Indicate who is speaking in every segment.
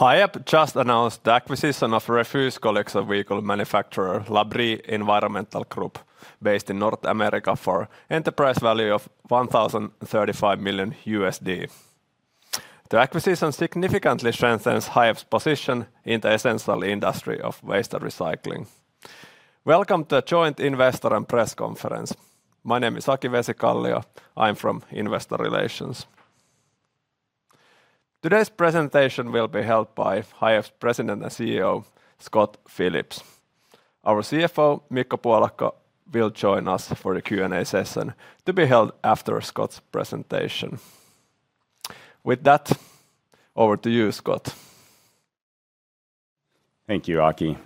Speaker 1: Hiab just announced the acquisition of refuse collection vehicle manufacturer Labrie Environmental Group, based in North America, for enterprise value of $1,035 million. The acquisition significantly strengthens Hiab's position in the essential industry of waste and recycling. Welcome to Joint Investor and Press Conference. My name is Aki Vesikallio. I'm from Investor Relations. Today's presentation will be held by Hiab's President and CEO, Scott Phillips. Our CFO, Mikko Puolakka, will join us for the Q and A session to be held after Scott's presentation. With that, over to you, Scott.
Speaker 2: Thank you, Aki.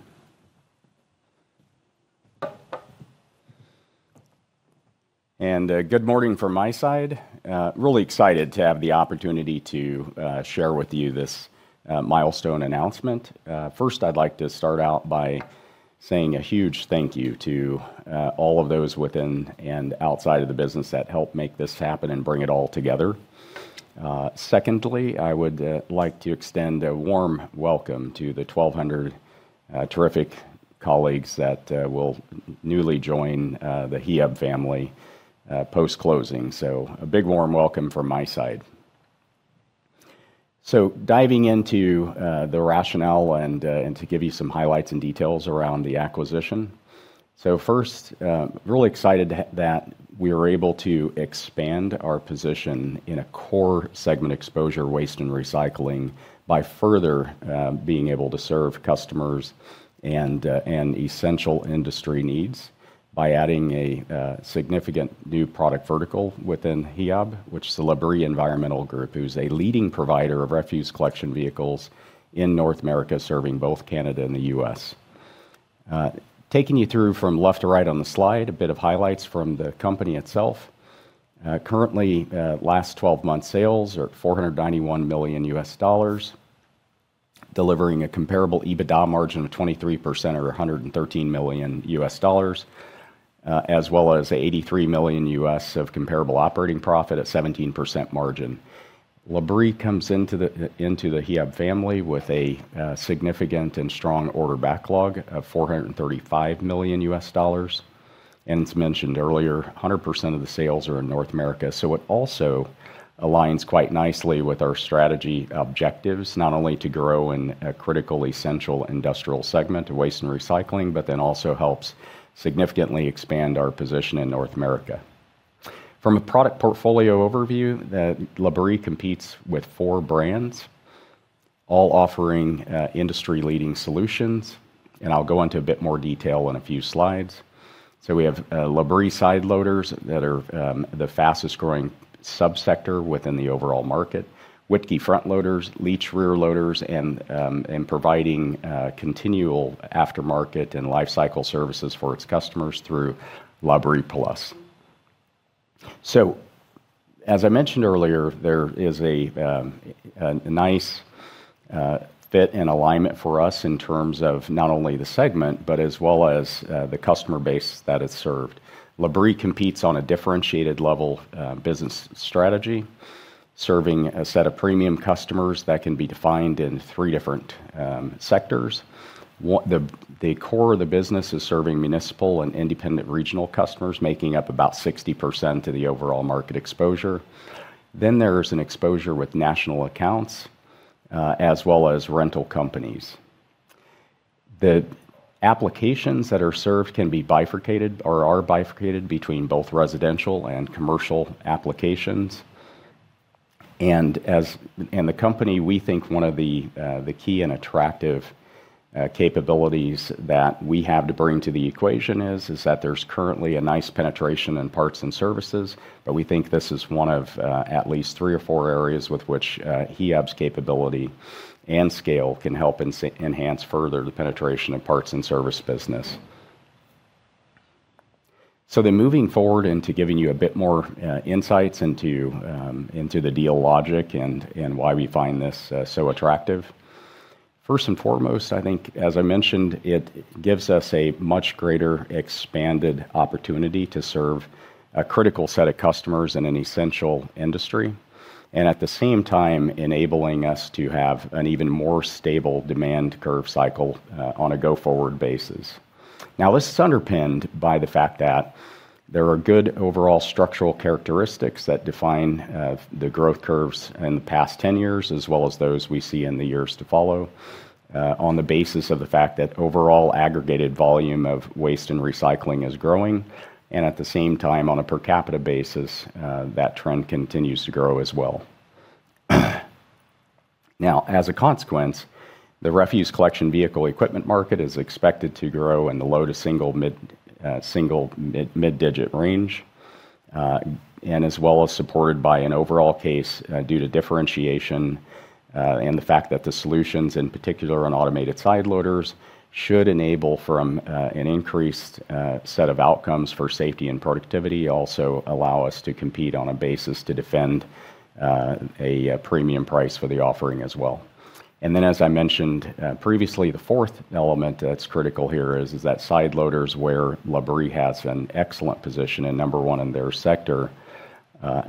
Speaker 2: Good morning from my side. Really excited to have the opportunity to share with you this milestone announcement. First, I'd like to start out by saying a huge thank you to all of those within and outside of the business that helped make this happen and bring it all together. Secondly, I would like to extend a warm welcome to the 1,200 terrific colleagues that will newly join the Hiab family post-closing. A big warm welcome from my side. Diving into the rationale and to give you some highlights and details around the acquisition. First, really excited that we are able to expand our position in a core segment exposure waste and recycling by further being able to serve customers and essential industry needs by adding a significant new product vertical within Hiab, which is the Labrie Environmental Group, who's a leading provider of refuse collection vehicles in North America, serving both Canada and the U.S. Taking you through from left to right on the slide, a bit of highlights from the company itself. Currently, last 12 months sales are at $491 million, delivering a comparable EBITDA margin of 23% or $113 million, as well as $83 million of comparable operating profit at 17% margin. Labrie comes into the Hiab family with a significant and strong order backlog of $435 million, and as mentioned earlier, 100% of the sales are in North America. It also aligns quite nicely with our strategy objectives, not only to grow in a critical, essential industrial segment of waste and recycling, also helps significantly expand our position in North America. From a product portfolio overview, Labrie competes with four brands, all offering industry-leading solutions, and I'll go into a bit more detail in a few slides. We have Labrie side loaders that are the fastest-growing sub-sector within the overall market, Wittke front loaders, Leach rear loaders, and providing continual aftermarket and lifecycle services for its customers through LabriePlus. As I mentioned earlier, there is a nice fit and alignment for us in terms of not only the segment, but as well as the customer base that it served. Labrie competes on a differentiated level of business strategy, serving a set of premium customers that can be defined in three different sectors. The core of the business is serving municipal and independent regional customers, making up about 60% of the overall market exposure. There is an exposure with national accounts, as well as rental companies. The applications that are served can be bifurcated or are bifurcated between both residential and commercial applications. The company, we think one of the key and attractive capabilities that we have to bring to the equation is that there's currently a nice penetration in parts and services, but we think this is one of at least three or four areas with which Hiab's capability and scale can help enhance further the penetration of parts and service business. Moving forward into giving you a bit more insights into the deal logic and why we find this so attractive. First and foremost, I think, as I mentioned, it gives us a much greater expanded opportunity to serve a critical set of customers in an essential industry. At the same time, enabling us to have an even more stable demand curve cycle on a go-forward basis. This is underpinned by the fact that there are good overall structural characteristics that define the growth curves in the past 10 years, as well as those we see in the years to follow, on the basis of the fact that overall aggregated volume of waste and recycling is growing, and at the same time, on a per capita basis, that trend continues to grow as well. As a consequence, the refuse collection vehicle equipment market is expected to grow in the low to mid-single digit range, as well as supported by an overall case due to differentiation and the fact that the solutions, in particular on automated side loaders, should enable from an increased set of outcomes for safety and productivity, also allow us to compete on a basis to defend a premium price for the offering as well. As I mentioned previously, the fourth element that's critical here is that side loaders, where Labrie has an excellent position and number one in their sector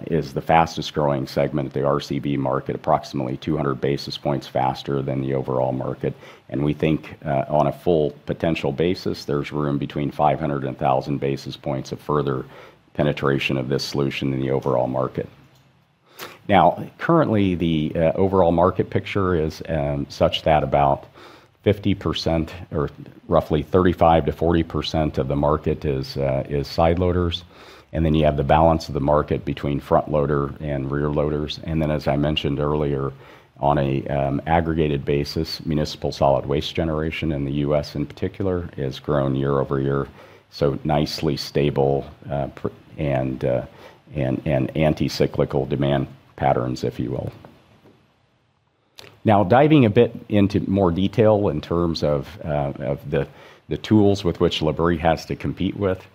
Speaker 2: is the fastest growing segment of the RCV market, approximately 200 basis points faster than the overall market. We think, on a full potential basis, there's room between 500 and 1,000 basis points of further penetration of this solution in the overall market. Currently the overall market picture is such that about 50%, or roughly 35%-40% of the market is side loaders. You have the balance of the market between front loader and rear loaders. As I mentioned earlier, on an aggregated basis, municipal solid waste generation in the U.S. in particular, has grown year-over-year, so nicely stable and anti-cyclical demand patterns, if you will. Diving a bit into more detail in terms of the tools with which Labrie has to compete with.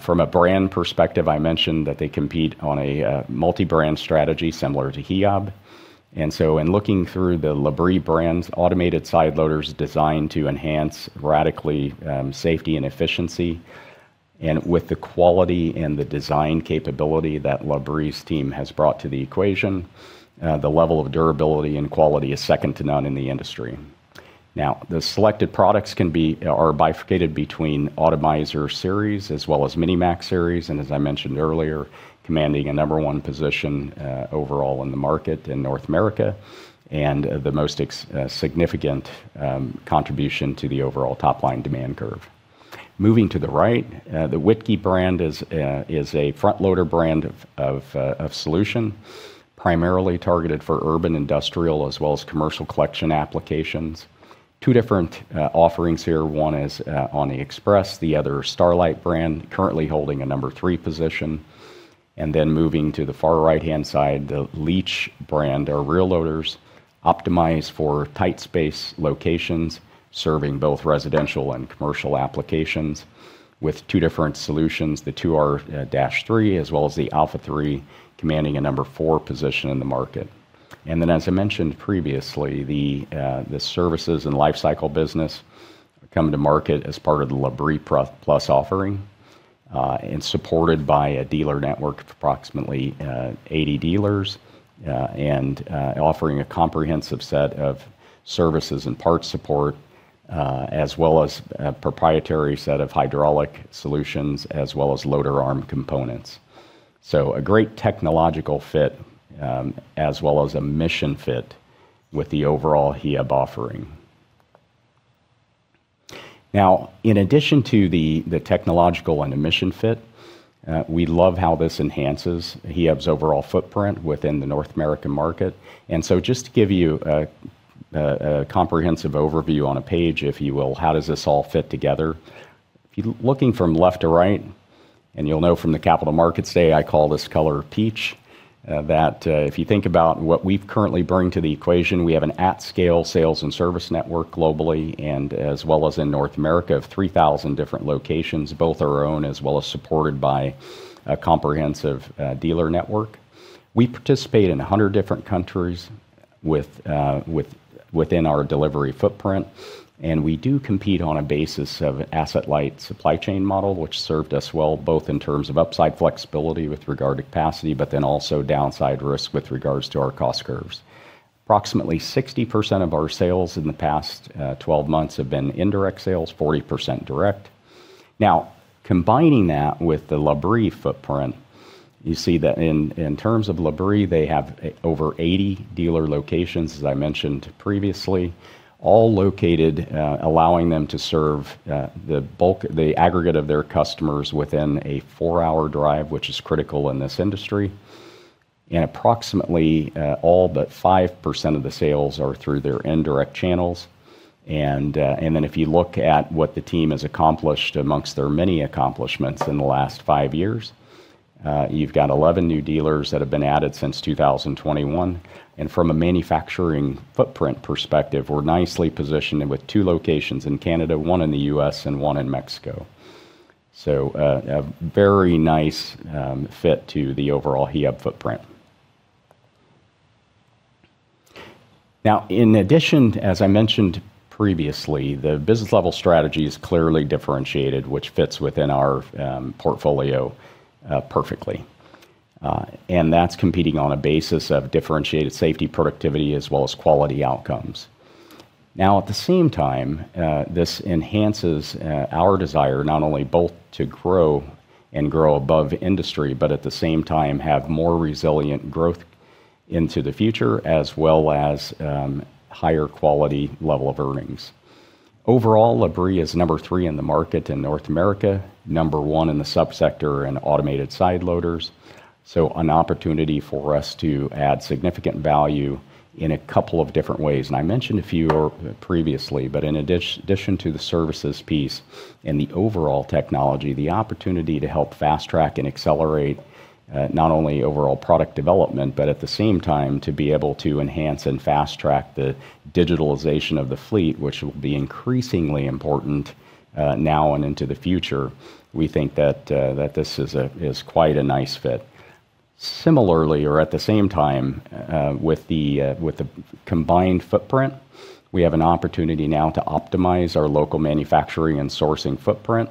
Speaker 2: From a brand perspective, I mentioned that they compete on a multi-brand strategy similar to Hiab. In looking through the Labrie brands, automated side loaders designed to enhance radically safety and efficiency. With the quality and the design capability that Labrie's team has brought to the equation, the level of durability and quality is second to none in the industry. The selected products are bifurcated between Automizer series as well as Minimax series, and as I mentioned earlier, commanding a number one position overall in the market in North America, and the most significant contribution to the overall top-line demand curve. Moving to the right, the Wittke brand is a front loader brand of solution, primarily targeted for urban industrial as well as commercial collection applications. Two different offerings here. One is on the Xpress, the other Starlight brand, currently holding a number three position. Moving to the far right-hand side, the Leach brand are rear loaders optimized for tight space locations, serving both residential and commercial applications with two different solutions. The two are Dash 3 as well as the Alpha 3, commanding a number 4 position in the market. As I mentioned previously, the services and lifecycle business come to market as part of the LabriePlus offering, supported by a dealer network of approximately 80 dealers, and offering a comprehensive set of services and parts support, as well as a proprietary set of hydraulic solutions, as well as loader arm components. A great technological fit, as well as a mission fit with the overall Hiab offering. In addition to the technological and the mission fit, we love how this enhances Hiab's overall footprint within the North American market. Just to give you a comprehensive overview on a page, if you will, how does this all fit together? Looking from left to right, and you'll know from the Capital Markets Day, I call this color peach, that if you think about what we currently bring to the equation, we have an at-scale sales and service network globally, and as well as in North America of 3,000 different locations, both our own as well as supported by a comprehensive dealer network. We participate in 100 different countries within our delivery footprint, and we do compete on a basis of asset-light supply chain model, which served us well, both in terms of upside flexibility with regard to capacity, but then also downside risk with regards to our cost curves. Approximately 60% of our sales in the past 12 months have been indirect sales, 40% direct. Combining that with the Labrie footprint, you see that in terms of Labrie, they have over 80 dealer locations, as I mentioned previously, all located allowing them to serve the aggregate of their customers within a four-hour drive, which is critical in this industry. Approximately all but 5% of the sales are through their indirect channels. If you look at what the team has accomplished amongst their many accomplishments in the last five years, you've got 11 new dealers that have been added since 2021. From a manufacturing footprint perspective, we're nicely positioned with two locations in Canada, one in the U.S., and one in Mexico. A very nice fit to the overall Hiab footprint. In addition, as I mentioned previously, the business level strategy is clearly differentiated, which fits within our portfolio perfectly. That's competing on a basis of differentiated safety, productivity, as well as quality outcomes. At the same time, this enhances our desire, not only both to grow and grow above industry, but at the same time, have more resilient growth into the future as well as higher quality level of earnings. Overall, Labrie is number three in the market in North America, number one in the sub-sector in automated side loaders. An opportunity for us to add significant value in a couple of different ways. I mentioned a few previously, but in addition to the services piece and the overall technology, the opportunity to help fast track and accelerate not only overall product development, but at the same time, to be able to enhance and fast track the digitalization of the fleet, which will be increasingly important now and into the future. We think that this is quite a nice fit. Similarly, or at the same time, with the combined footprint, we have an opportunity now to optimize our local manufacturing and sourcing footprint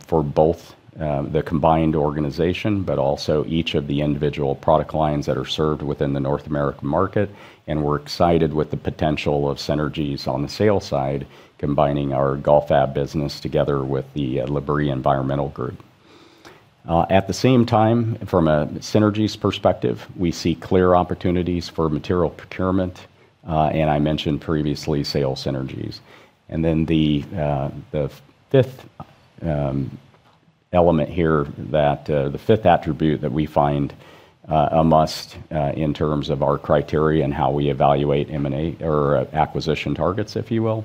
Speaker 2: for both the combined organization, but also each of the individual product lines that are served within the North American market. We're excited with the potential of synergies on the sales side, combining our Galfab business together with the Labrie Environmental Group. At the same time, from a synergies perspective, we see clear opportunities for material procurement, and I mentioned previously, sales synergies. The fifth element here, the fifth attribute that we find a must in terms of our criteria and how we evaluate M&A or acquisition targets, if you will,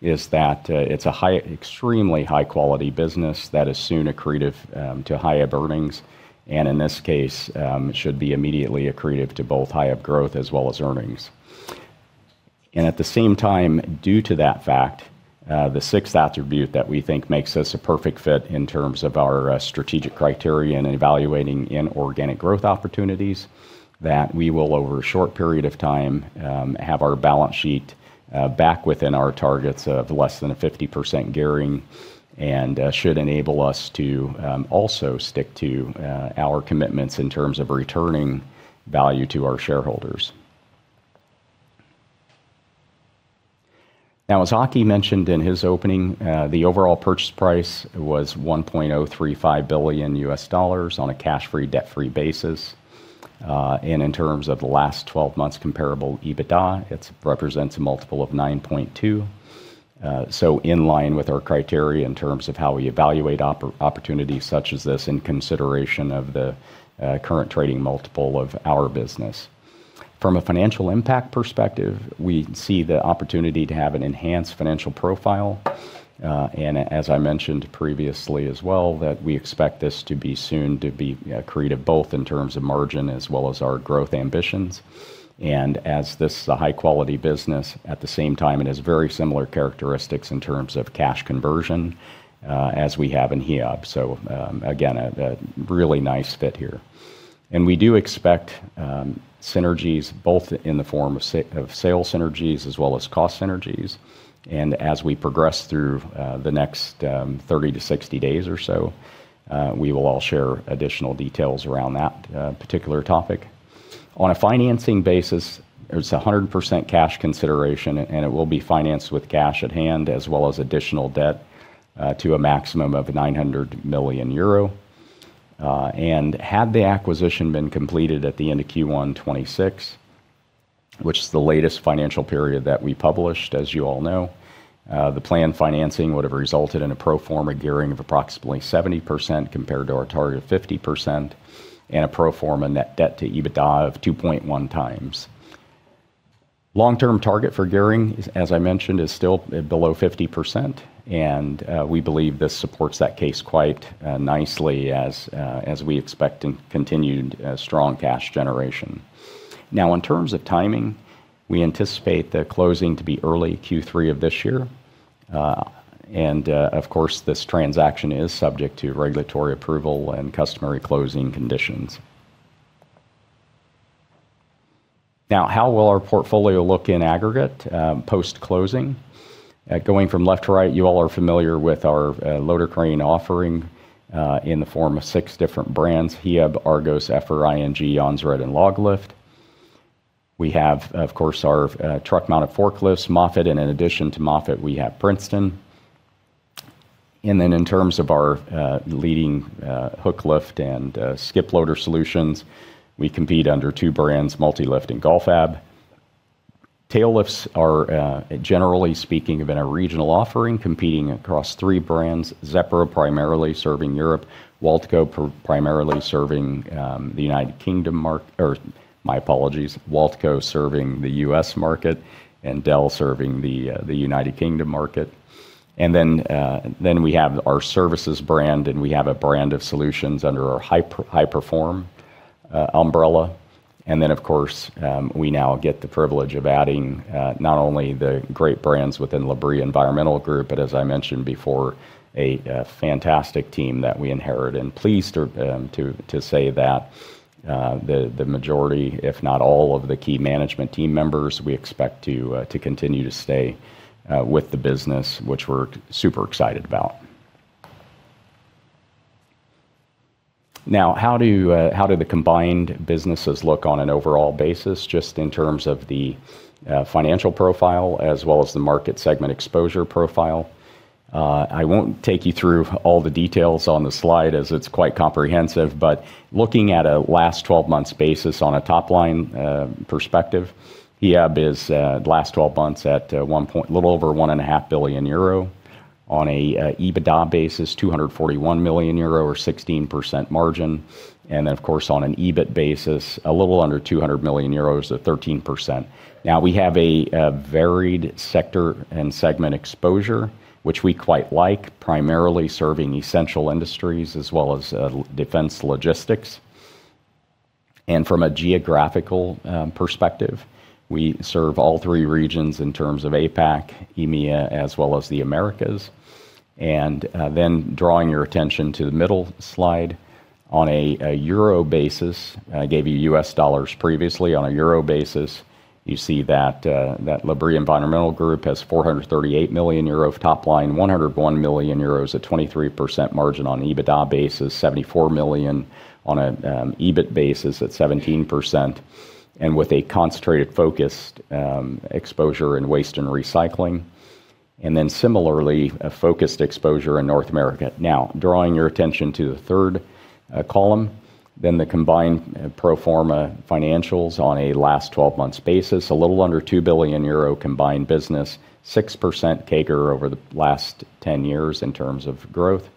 Speaker 2: is that it's an extremely high-quality business that is soon accretive to Hiab earnings, and in this case, should be immediately accretive to both Hiab growth as well as earnings. At the same time, due to that fact, the sixth attribute that we think makes us a perfect fit in terms of our strategic criteria in evaluating inorganic growth opportunities, that we will, over a short period of time, have our balance sheet back within our targets of less than a 50% gearing and should enable us to also stick to our commitments in terms of returning value to our shareholders. As Aki mentioned in his opening, the overall purchase price was $1.035 billion on a cash-free, debt-free basis. In terms of the last 12 months comparable EBITDA, it represents a multiple of 9.2. In line with our criteria in terms of how we evaluate opportunities such as this in consideration of the current trading multiple of our business. From a financial impact perspective, we see the opportunity to have an enhanced financial profile. As I mentioned previously as well, that we expect this to be soon accretive, both in terms of margin as well as our growth ambitions. As this is a high-quality business, at the same time, it has very similar characteristics in terms of cash conversion as we have in Hiab. Again, a really nice fit here. We do expect synergies both in the form of sales synergies as well as cost synergies. As we progress through the next 30 to 60 days or so, we will all share additional details around that particular topic. On a financing basis, it's 100% cash consideration, and it will be financed with cash at hand as well as additional debt to a maximum of 900 million euro. Had the acquisition been completed at the end of Q1 2026, which is the latest financial period that we published, as you all know, the planned financing would have resulted in a pro forma gearing of approximately 70% compared to our target of 50% and a pro forma net debt to EBITDA of 2.1 times. Long-term target for gearing, as I mentioned, is still below 50%. We believe this supports that case quite nicely as we expect continued strong cash generation. In terms of timing, we anticipate the closing to be early Q3 of this year. Of course, this transaction is subject to regulatory approval and customary closing conditions. How will our portfolio look in aggregate post-closing? Going from left to right, you all are familiar with our loader crane offering in the form of six different brands, Hiab, ARGOS, EFFER, ING, JONSERED, and LOGLIFT. We have, of course, our truck mounted forklifts, MOFFETT, and in addition to MOFFETT, we have Princeton. Then in terms of our leading hooklift and skip loader solutions, we compete under two brands, MULTILIFT and Galfab. Tail lifts are, generally speaking, have been a regional offering, competing across three brands, ZEPRO primarily serving Europe, WALTCO serving the U.S. market, and DEL serving the U.K. market. We have our services brand, and we have a brand of solutions under our HiPerform umbrella. Of course, we now get the privilege of adding not only the great brands within Labrie Environmental Group, but as I mentioned before, a fantastic team that we inherit. Pleased to say that the majority, if not all of the key management team members, we expect to continue to stay with the business, which we're super excited about. Now, how do the combined businesses look on an overall basis, just in terms of the financial profile as well as the market segment exposure profile? I won't take you through all the details on the slide as it's quite comprehensive. Looking at a last 12 months basis on a top-line perspective, Hiab is last 12 months at little over 1.5 billion euro. On an EBITDA basis, 241 million euro or 16% margin. On an EBIT basis, a little under 200 million euros at 13%. We have a varied sector and segment exposure, which we quite like, primarily serving essential industries as well as defense logistics. From a geographical perspective, we serve all three regions in terms of APAC, EMEA, as well as the Americas. Drawing your attention to the middle slide on a euro basis, I gave you U.S. dollars previously. On a Euro basis, you see that Labrie Environmental Group has 438 million euro of top line, 101 million euros, a 23% margin on EBITDA basis, 74 million on an EBIT basis at 17%, and with a concentrated focused exposure in waste and recycling, and then similarly, a focused exposure in North America. Drawing your attention to the third column, the combined pro forma financials on a last 12 months basis, a little under 2 billion euro combined business, 6% CAGR over the last 10 years in terms of growth,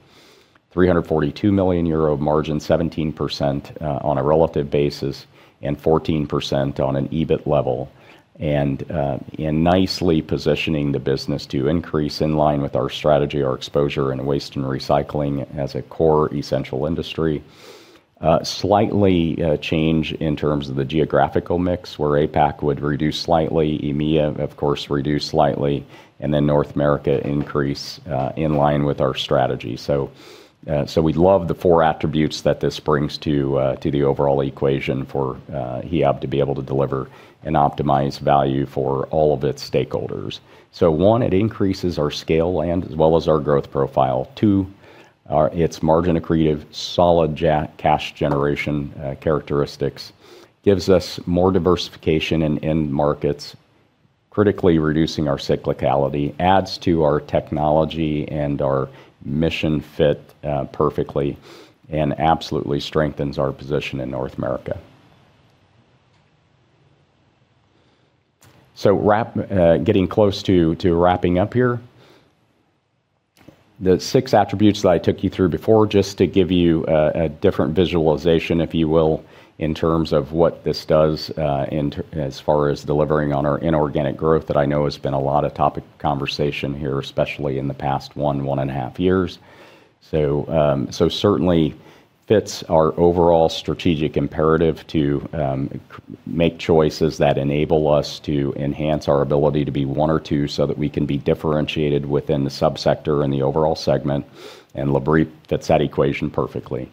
Speaker 2: 342 million euro margin, 17% on a relative basis and 14% on an EBIT level. Nicely positioning the business to increase in line with our strategy, our exposure in waste and recycling as a core essential industry. Slightly change in terms of the geographical mix where APAC would reduce slightly, EMEA, of course, reduce slightly, and then North America increase, in line with our strategy. We love the four attributes that this brings to the overall equation for Hiab to be able to deliver an optimized value for all of its stakeholders. One, it increases our scale and as well as our growth profile. Two, its margin-accretive solid cash generation characteristics gives us more diversification in end markets, critically reducing our cyclicality, adds to our technology and our mission fit perfectly, and absolutely strengthens our position in North America. Getting close to wrapping up here. The six attributes that I took you through before, just to give you a different visualization, if you will, in terms of what this does as far as delivering on our inorganic growth that I know has been a lot of topic of conversation here, especially in the past one and a half years. Certainly fits our overall strategic imperative to make choices that enable us to enhance our ability to be one or two, so that we can be differentiated within the sub-sector and the overall segment, and Labrie fits that equation perfectly.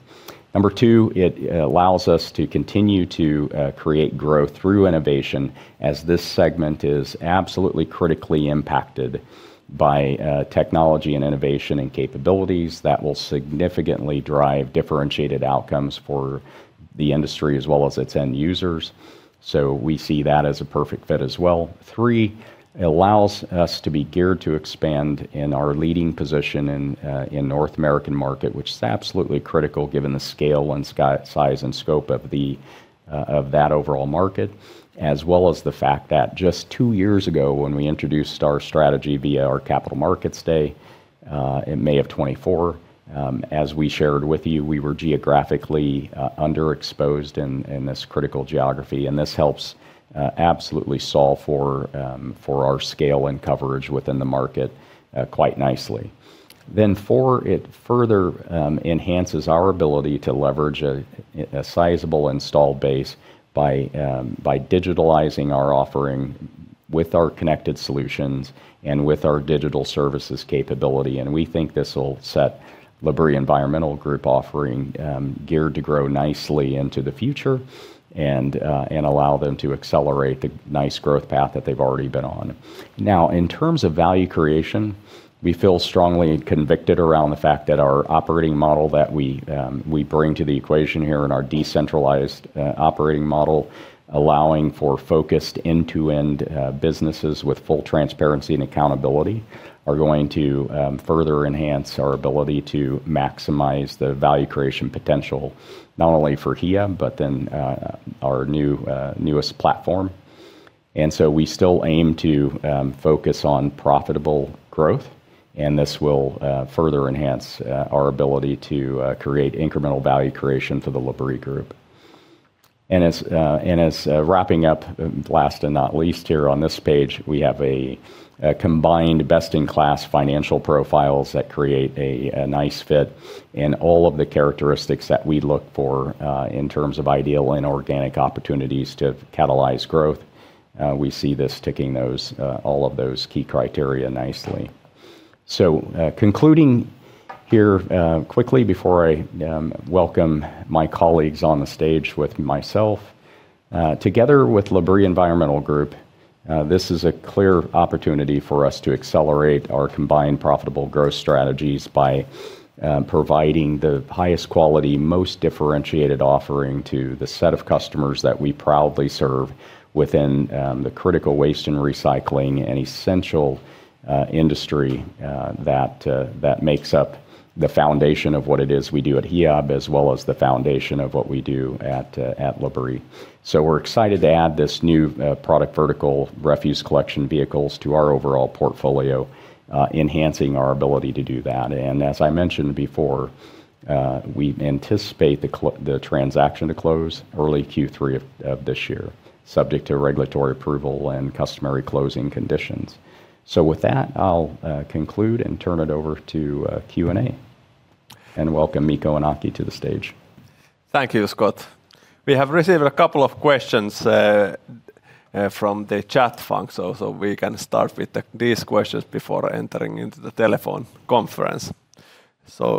Speaker 2: Number two, it allows us to continue to create growth through innovation as this segment is absolutely critically impacted by technology and innovation and capabilities that will significantly drive differentiated outcomes for the industry as well as its end users. We see that as a perfect fit as well. Three, it allows us to be geared to expand in our leading position in North American market, which is absolutely critical given the scale and size and scope of that overall market, as well as the fact that just two years ago, when we introduced our strategy via our Capital Markets Day, in May of 2024, as we shared with you, we were geographically underexposed in this critical geography, and this helps absolutely solve for our scale and coverage within the market quite nicely. Four, it further enhances our ability to leverage a sizable installed base by digitalizing our offering with our connected solutions and with our digital services capability. We think this will set Labrie Environmental Group offering geared to grow nicely into the future and allow them to accelerate the nice growth path that they've already been on. In terms of value creation, we feel strongly convicted around the fact that our operating model that we bring to the equation here and our decentralized operating model, allowing for focused end-to-end businesses with full transparency and accountability, are going to further enhance our ability to maximize the value creation potential, not only for Hiab, but our newest platform. We still aim to focus on profitable growth, and this will further enhance our ability to create incremental value creation for the Labrie group. As wrapping up, last and not least here on this page, we have a combined best-in-class financial profiles that create a nice fit in all of the characteristics that we look for in terms of ideal inorganic opportunities to catalyze growth. We see this ticking all of those key criteria nicely. Concluding here quickly before I welcome my colleagues on the stage with myself. Together with Labrie Environmental Group, this is a clear opportunity for us to accelerate our combined profitable growth strategies by providing the highest quality, most differentiated offering to the set of customers that we proudly serve within the critical waste and recycling and essential industry that makes up the foundation of what it is we do at Hiab, as well as the foundation of what we do at Labrie. We're excited to add this new product vertical refuse collection vehicles to our overall portfolio, enhancing our ability to do that. As I mentioned before, I anticipate the transaction to close early Q3 of this year, subject to regulatory approval and customary closing conditions. With that, I'll conclude and turn it over to Q and A. Welcome Mikko and Aki to the stage.
Speaker 1: Thank you, Scott. We have received a couple of questions from the chat function, we can start with these questions before entering into the telephone conference. The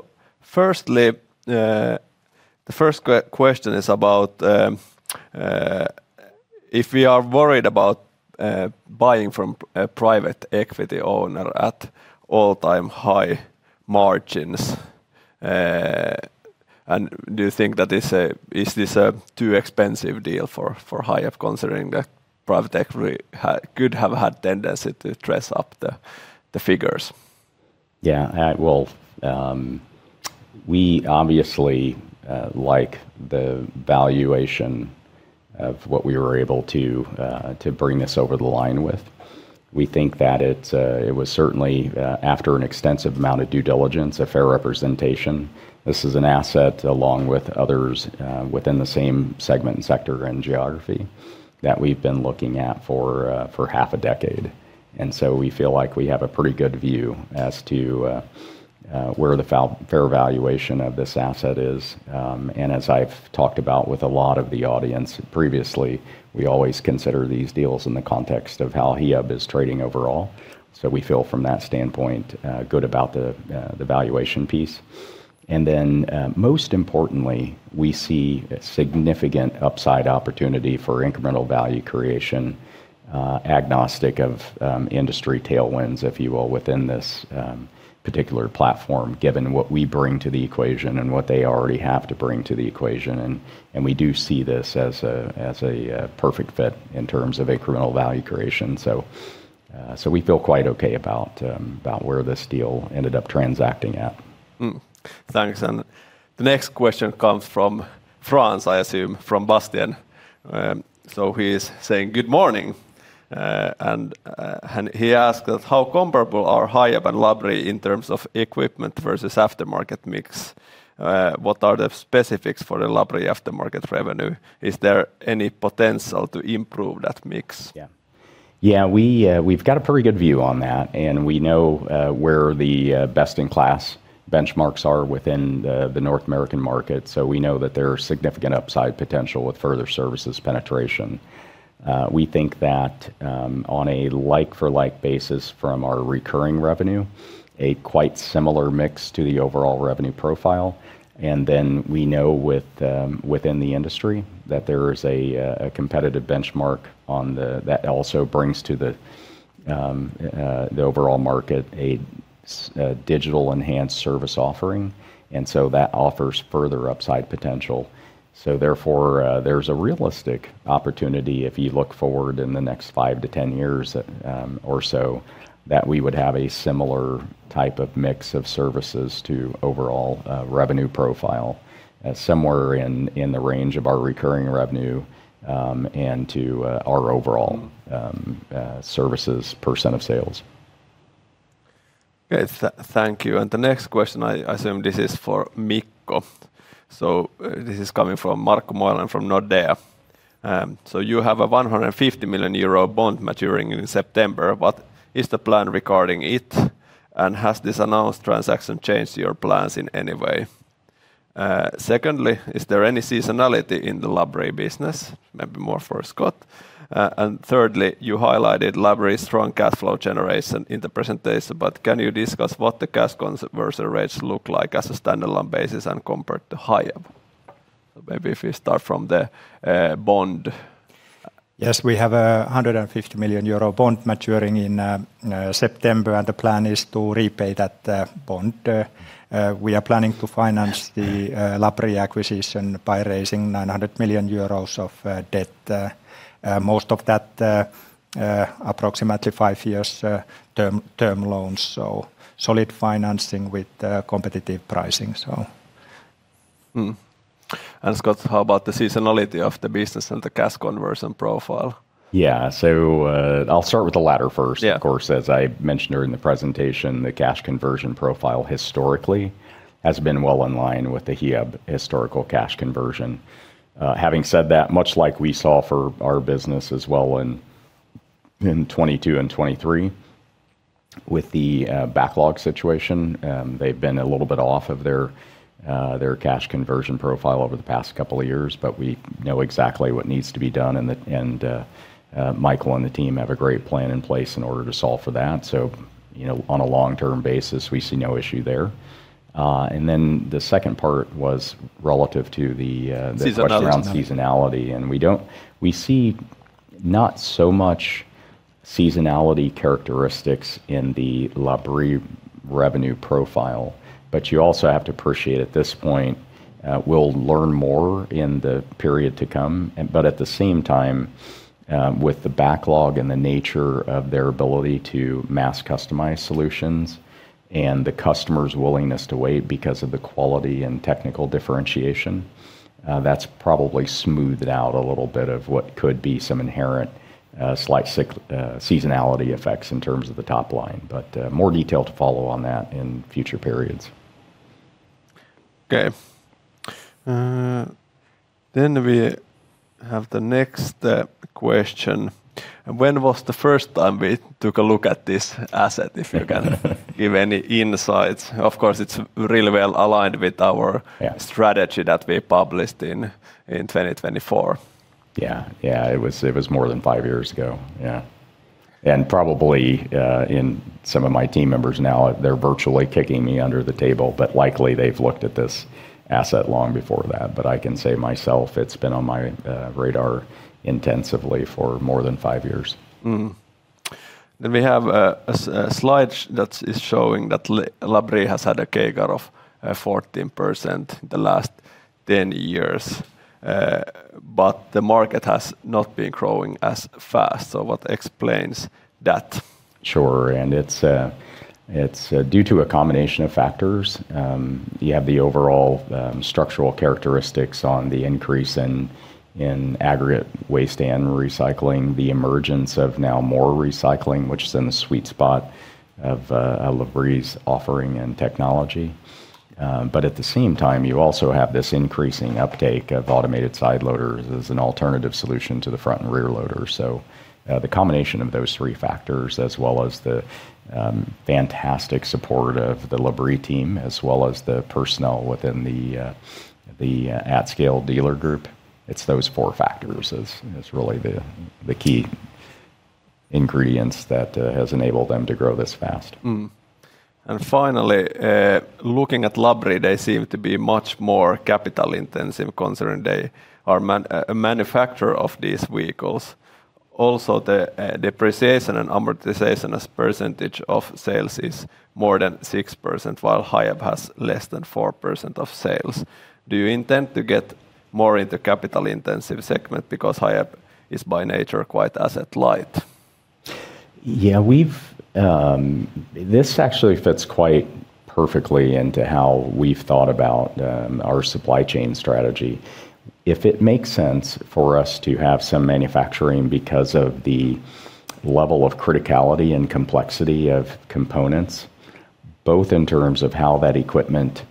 Speaker 1: first question is about if we are worried about buying from a private equity owner at all-time high margins. Do you think that is this a too expensive deal for Hiab, considering that private equity could have had tendency to dress up the figures?
Speaker 2: Yeah. Well, we obviously like the valuation of what we were able to bring this over the line with. We think that it was certainly, after an extensive amount of due diligence, a fair representation. This is an asset along with others within the same segment and sector and geography that we've been looking at for half a decade. We feel like we have a pretty good view as to where the fair valuation of this asset is. As I've talked about with a lot of the audience previously, we always consider these deals in the context of how Hiab is trading overall. We feel from that standpoint good about the valuation piece. Most importantly, we see a significant upside opportunity for incremental value creation, agnostic of industry tailwinds, if you will, within this particular platform, given what we bring to the equation and what they already have to bring to the equation. We do see this as a perfect fit in terms of incremental value creation. We feel quite okay about where this deal ended up transacting at.
Speaker 1: Thanks. The next question comes from France, I assume, from Bastiaan. He is saying, "Good morning." He asks, "How comparable are Hiab and Labrie in terms of equipment versus aftermarket mix? What are the specifics for the Labrie aftermarket revenue? Is there any potential to improve that mix?
Speaker 2: Yeah. Yeah, we've got a pretty good view on that. We know where the best-in-class benchmarks are within the North American market. We know that there are significant upside potential with further services penetration. We think that on a like-for-like basis from our recurring revenue, a quite similar mix to the overall revenue profile. We know within the industry that there is a competitive benchmark that also brings to the overall market a digital enhanced service offering. That offers further upside potential. Therefore, there's a realistic opportunity if you look forward in the next 5-10 years or so, that we would have a similar type of mix of services to overall revenue profile somewhere in the range of our recurring revenue, and to our overall services percent of sales.
Speaker 1: Okay. Thank you. The next question, I assume this is for Mikko. This is coming from Markku Moilanen from Nordea. You have a 150 million euro bond maturing in September, what is the plan regarding it? Has this announced transaction changed your plans in any way? Secondly, is there any seasonality in the Labrie business? Maybe more for Scott. Thirdly, you highlighted Labrie's strong cash flow generation in the presentation, but can you discuss what the cash conversion rates look like as a standalone basis and compared to Hiab? Maybe if we start from the bond.
Speaker 3: Yes, we have a 150 million euro bond maturing in September. The plan is to repay that bond. We are planning to finance the Labrie acquisition by raising 900 million euros of debt. Most of that approximately five years term loans, solid financing with competitive pricing.
Speaker 1: Scott, how about the seasonality of the business and the cash conversion profile?
Speaker 2: Yeah. I'll start with the latter first.
Speaker 1: Yeah.
Speaker 2: Of course, as I mentioned during the presentation, the cash conversion profile historically has been well in line with the Hiab historical cash conversion. Having said that, much like we saw for our business as well in 2022 and 2023 with the backlog situation, they've been a little bit off of their cash conversion profile over the past couple of years. We know exactly what needs to be done, and Michael and the team have a great plan in place in order to solve for that. On a long-term basis, we see no issue there. The second part was relative to the—
Speaker 1: Seasonality
Speaker 2: Question around seasonality, and we see not so much seasonality characteristics in the Labrie revenue profile. You also have to appreciate at this point, we'll learn more in the period to come. At the same time, with the backlog and the nature of their ability to mass customize solutions and the customer's willingness to wait because of the quality and technical differentiation, that's probably smoothed out a little bit of what could be some inherent slight seasonality effects in terms of the top line. More detail to follow on that in future periods.
Speaker 1: Okay. We have the next question. When was the first time we took a look at this asset, if you can give any insights? Of course, it's really well-aligned with our.
Speaker 2: Yeah
Speaker 1: Strategy that we published in 2024.
Speaker 2: Yeah. It was more than five years ago. Yeah. Probably, some of my team members now, they're virtually kicking me under the table, but likely they've looked at this asset long before that. I can say myself, it's been on my radar intensively for more than five years.
Speaker 1: We have a slide that is showing that Labrie has had a CAGR of 14% the last 10 years, but the market has not been growing as fast. What explains that?
Speaker 2: Sure. It's due to a combination of factors. You have the overall structural characteristics on the increase in aggregate waste and recycling, the emergence of now more recycling, which is in the sweet spot of Labrie's offering and technology. At the same time, you also have this increasing uptake of automated side loaders as an alternative solution to the front and rear loaders. The combination of those three factors, as well as the fantastic support of the Labrie team, as well as the personnel within the at scale dealer group, it's those four factors is really the key ingredients that has enabled them to grow this fast.
Speaker 1: Finally, looking at Labrie, they seem to be much more capital intensive considering they are a manufacturer of these vehicles. Also, the depreciation and amortization as percentage of sales is more than 6%, while Hiab has less than 4% of sales. Do you intend to get more in the capital intensive segment because Hiab is by nature quite asset light?
Speaker 2: Yeah. This actually fits quite perfectly into how we've thought about our supply chain strategy. If it makes sense for us to have some manufacturing because of the level of criticality and complexity of components, both in terms of how that equipment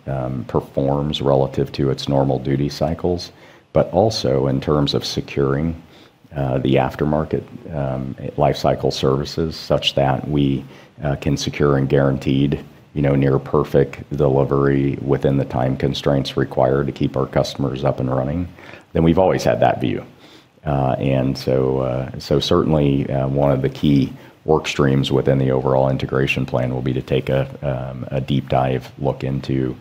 Speaker 2: performs relative to its normal duty cycles, but also in terms of securing the aftermarket lifecycle services, such that we can secure and guaranteed near perfect delivery within the time constraints required to keep our customers up and running, then we've always had that view. Certainly, one of the key work streams within the overall integration plan will be to take a deep dive look into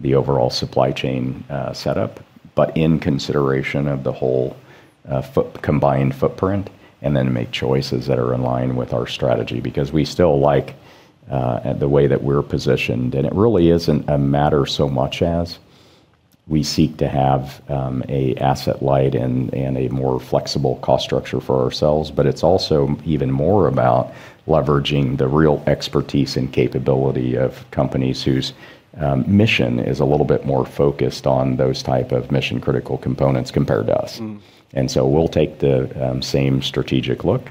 Speaker 2: the overall supply chain setup, but in consideration of the whole combined footprint, and then make choices that are in line with our strategy. We still like the way that we're positioned, and it really isn't a matter so much as we seek to have a asset light and a more flexible cost structure for ourselves. It's also even more about leveraging the real expertise and capability of companies whose mission is a little bit more focused on those type of mission-critical components compared to us. We'll take the same strategic look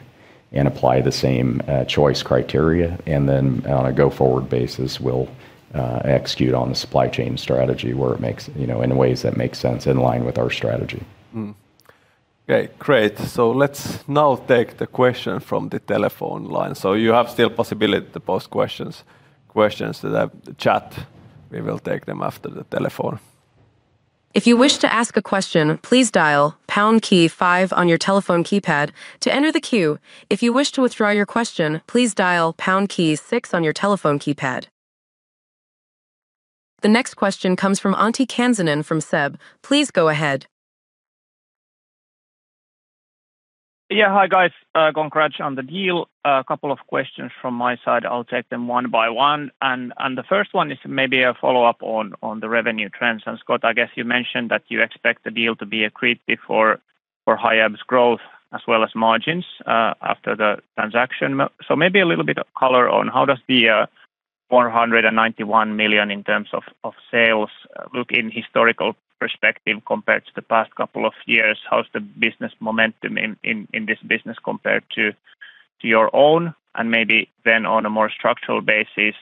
Speaker 2: and apply the same choice criteria, and then on a go-forward basis, we'll execute on the supply chain strategy in ways that make sense in line with our strategy.
Speaker 1: Okay, great. Let's now take the question from the telephone line. You have still possibility to pose questions to the chat. We will take them after the telephone.
Speaker 4: If you wish to asked a question please dial pound key five on your telephone keypad to enter the queue. If you wish to withdraw your question please dial pound key six on your telephone keypad. The next question comes from Antti Kansanen from SEB. Please go ahead.
Speaker 5: Yeah. Hi, guys. Congrats on the deal. A couple of questions from my side. I'll take them one by one. The first one is maybe a follow-up on the revenue trends. Scott, I guess you mentioned that you expect the deal to be accretive for Hiab's growth as well as margins after the transaction. Maybe a little bit of color on how does the $491 million in terms of sales look in historical perspective compared to the past couple of years? How's the business momentum in this business compared to your own? Maybe then on a more structural basis,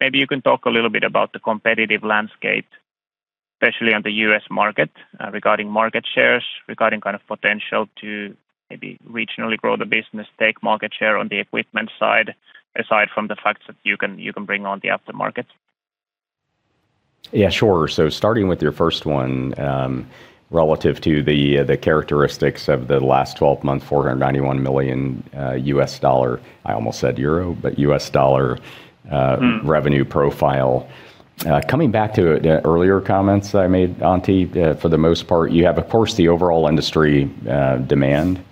Speaker 5: maybe you can talk a little bit about the competitive landscape, especially on the U.S. market, regarding market shares, regarding potential to maybe regionally grow the business, take market share on the equipment side, aside from the fact that you can bring on the aftermarket.
Speaker 2: Yeah, sure. Starting with your first one, relative to the characteristics of the last 12 months, $491 million, I almost said Euro, but U.S. dollars revenue profile. Coming back to earlier comments I made, Antti, for the most part, you have, of course, the overall industry demand.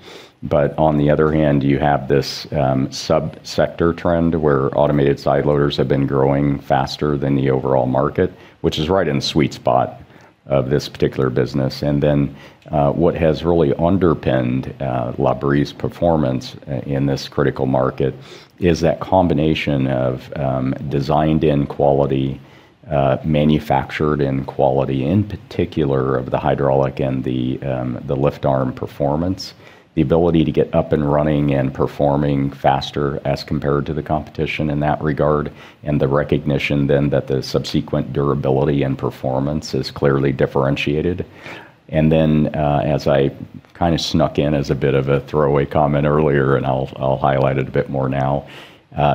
Speaker 2: On the other hand, you have this sub-sector trend where automated side loaders have been growing faster than the overall market, which is right in the sweet spot of this particular business. What has really underpinned Labrie's performance in this critical market is that combination of designed-in quality, manufactured-in quality, in particular of the hydraulic and the lift arm performance, the ability to get up and running and performing faster as compared to the competition in that regard, and the recognition then that the subsequent durability and performance is clearly differentiated. As I kind of snuck in as a bit of a throwaway comment earlier, and I'll highlight it a bit more now,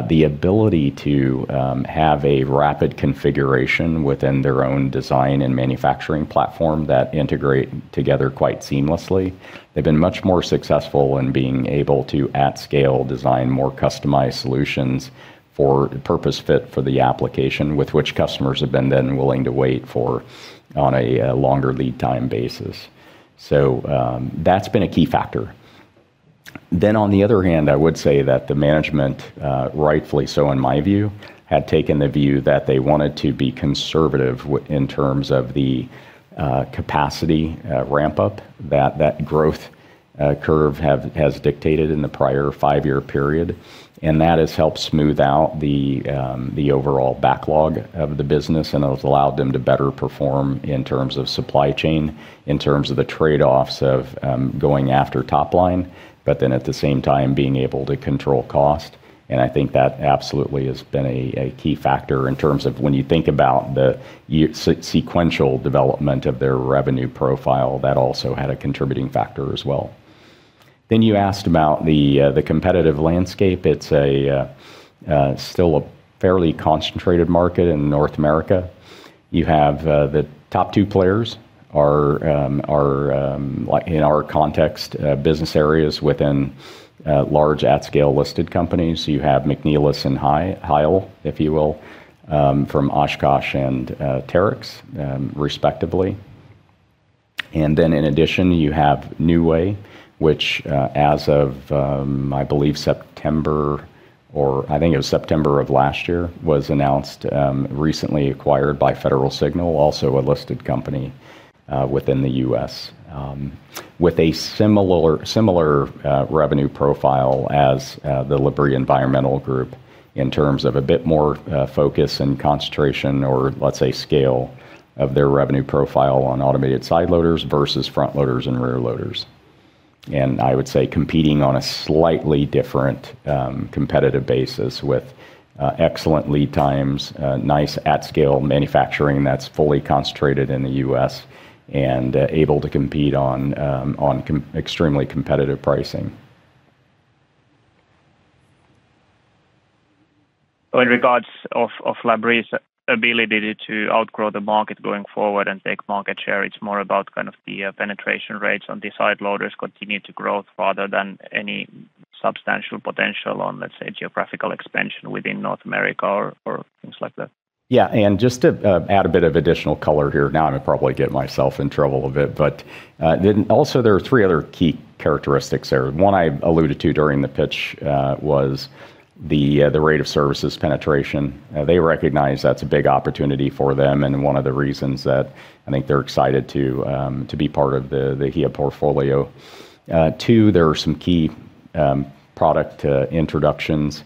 Speaker 2: the ability to have a rapid configuration within their own design and manufacturing platform that integrate together quite seamlessly. They've been much more successful in being able to, at scale, design more customized solutions for purpose fit for the application with which customers have been then willing to wait for on a longer lead time basis. That's been a key factor. On the other hand, I would say that the management, rightfully so in my view, had taken the view that they wanted to be conservative in terms of the capacity ramp-up, that growth curve has dictated in the prior five-year period, and that has helped smooth out the overall backlog of the business, and it has allowed them to better perform in terms of supply chain, in terms of the trade-offs of going after top line, but then at the same time, being able to control cost. I think that absolutely has been a key factor in terms of when you think about the sequential development of their revenue profile. That also had a contributing factor as well. You asked about the competitive landscape. It's still a fairly concentrated market in North America. You have the top two players are, in our context, business areas within large at-scale listed companies. You have McNeilus and Hial, if you will, from Oshkosh and Terex, respectively. Then in addition, you have New Way, which as of, I believe September of last year, was announced, recently acquired by Federal Signal, also a listed company within the U.S. with a similar revenue profile as the Labrie Environmental Group in terms of a bit more focus and concentration or, let's say, scale of their revenue profile on automated side loaders versus front loaders and rear loaders. I would say competing on a slightly different competitive basis with excellent lead times, nice at-scale manufacturing that's fully concentrated in the U.S., and able to compete on extremely competitive pricing.
Speaker 5: In regards of Labrie's ability to outgrow the market going forward and take market share, it's more about kind of the penetration rates on the side loaders continue to grow further than any substantial potential on, let's say, geographical expansion within North America or things like that?
Speaker 2: Yeah. Just to add a bit of additional color here. I'm going to probably get myself in trouble a bit, there are three other key characteristics there. One I alluded to during the pitch was the rate of services penetration. They recognize that's a big opportunity for them, and one of the reasons that I think they're excited to be part of the Hiab portfolio. Two, there are some key product introductions,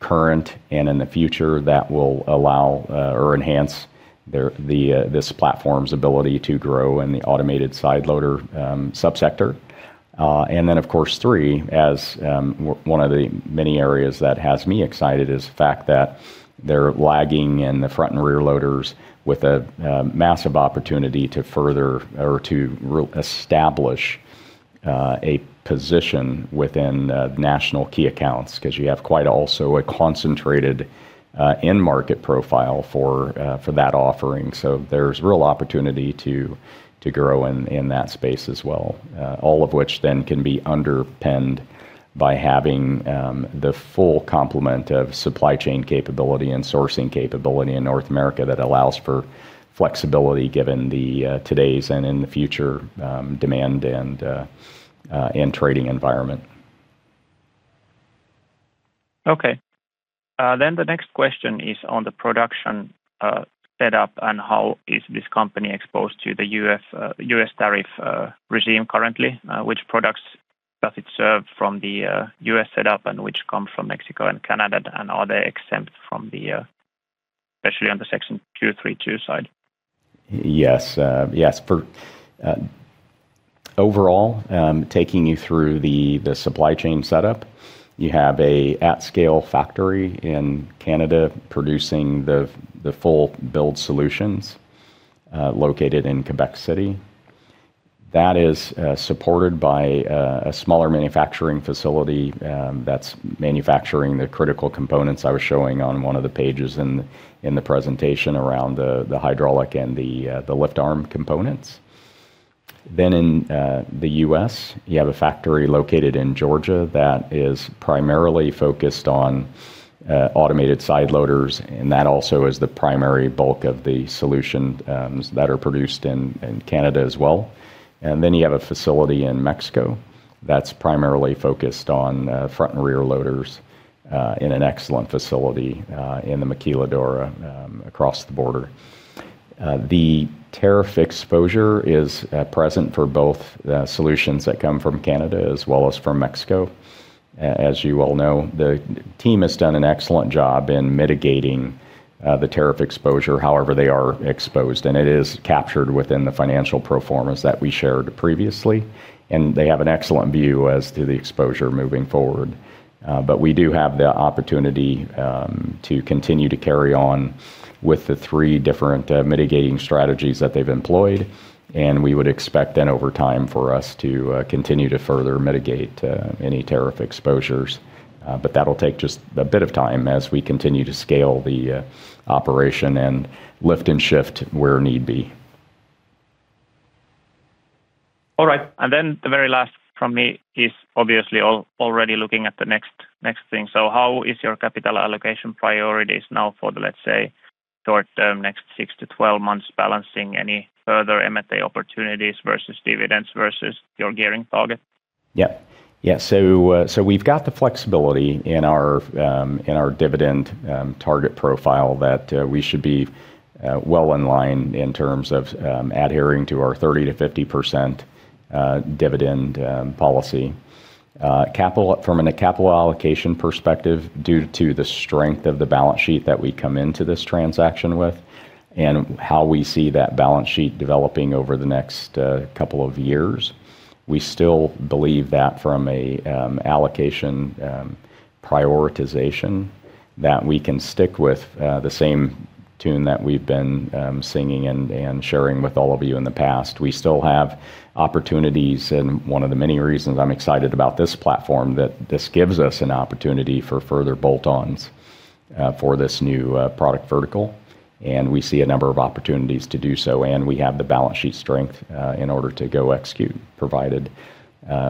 Speaker 2: current and in the future, that will allow or enhance this platform's ability to grow in the automated side loader subsector. Of course, three, as one of the many areas that has me excited, is the fact that they're lagging in the front and rear loaders with a massive opportunity to further or to establish a position within national key accounts because you have quite also a concentrated end market profile for that offering. There's real opportunity to grow in that space as well. All of which can be underpinned by having the full complement of supply chain capability and sourcing capability in North America that allows for flexibility given the today's and in the future demand and trading environment.
Speaker 5: Okay. The next question is on the production setup and how is this company exposed to the U.S. tariff regime currently? Which products does it serve from the U.S. setup and which come from Mexico and Canada, and are they exempt, especially on the Section 232 side?
Speaker 2: Yes. Overall, taking you through the supply chain setup, you have a at-scale factory in Canada producing the full build solutions, located in Québec City. That is supported by a smaller manufacturing facility that's manufacturing the critical components I was showing on one of the pages in the presentation around the hydraulic and the lift arm components. In the U.S., you have a factory located in Georgia that is primarily focused on automated side loaders, and that also is the primary bulk of the solutions that are produced in Canada as well. You have a facility in Mexico that's primarily focused on front and rear loaders in an excellent facility in the maquiladora across the border. The tariff exposure is present for both the solutions that come from Canada as well as from Mexico. As you all know, the team has done an excellent job in mitigating the tariff exposure. However, they are exposed, and it is captured within the financial pro formas that we shared previously, and they have an excellent view as to the exposure moving forward. We do have the opportunity to continue to carry on with the three different mitigating strategies that they've employed, and we would expect then over time for us to continue to further mitigate any tariff exposures. That'll take just a bit of time as we continue to scale the operation and lift and shift where need be.
Speaker 5: All right. The very last from me is obviously already looking at the next thing. How is your capital allocation priorities now for the, let's say, short-term next six to 12 months, balancing any further M&A opportunities versus dividends versus your gearing target?
Speaker 2: Yeah. We've got the flexibility in our dividend target profile that we should be well in line in terms of adhering to our 30%-50% dividend policy. From a capital allocation perspective, due to the strength of the balance sheet that we come into this transaction with and how we see that balance sheet developing over the next couple of years, we still believe that from an allocation prioritization, that we can stick with the same tune that we've been singing and sharing with all of you in the past. We still have opportunities, and one of the many reasons I'm excited about this platform that this gives us an opportunity for further bolt-ons for this new product vertical, and we see a number of opportunities to do so, and we have the balance sheet strength in order to go execute, provided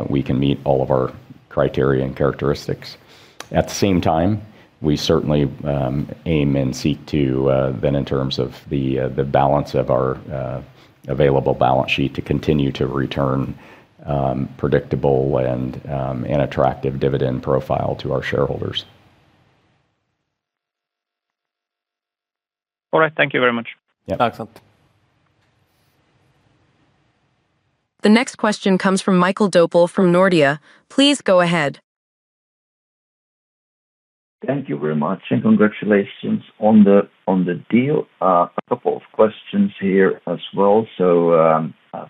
Speaker 2: we can meet all of our criteria and characteristics. At the same time, we certainly aim and seek to then, in terms of the balance of our available balance sheet, to continue to return predictable and an attractive dividend profile to our shareholders.
Speaker 5: All right. Thank you very much.
Speaker 2: Yeah.
Speaker 5: Thanks a lot.
Speaker 4: The next question comes from Mikael Doepel from Nordea. Please go ahead.
Speaker 6: Thank you very much. Congratulations on the deal. A couple of questions here as well.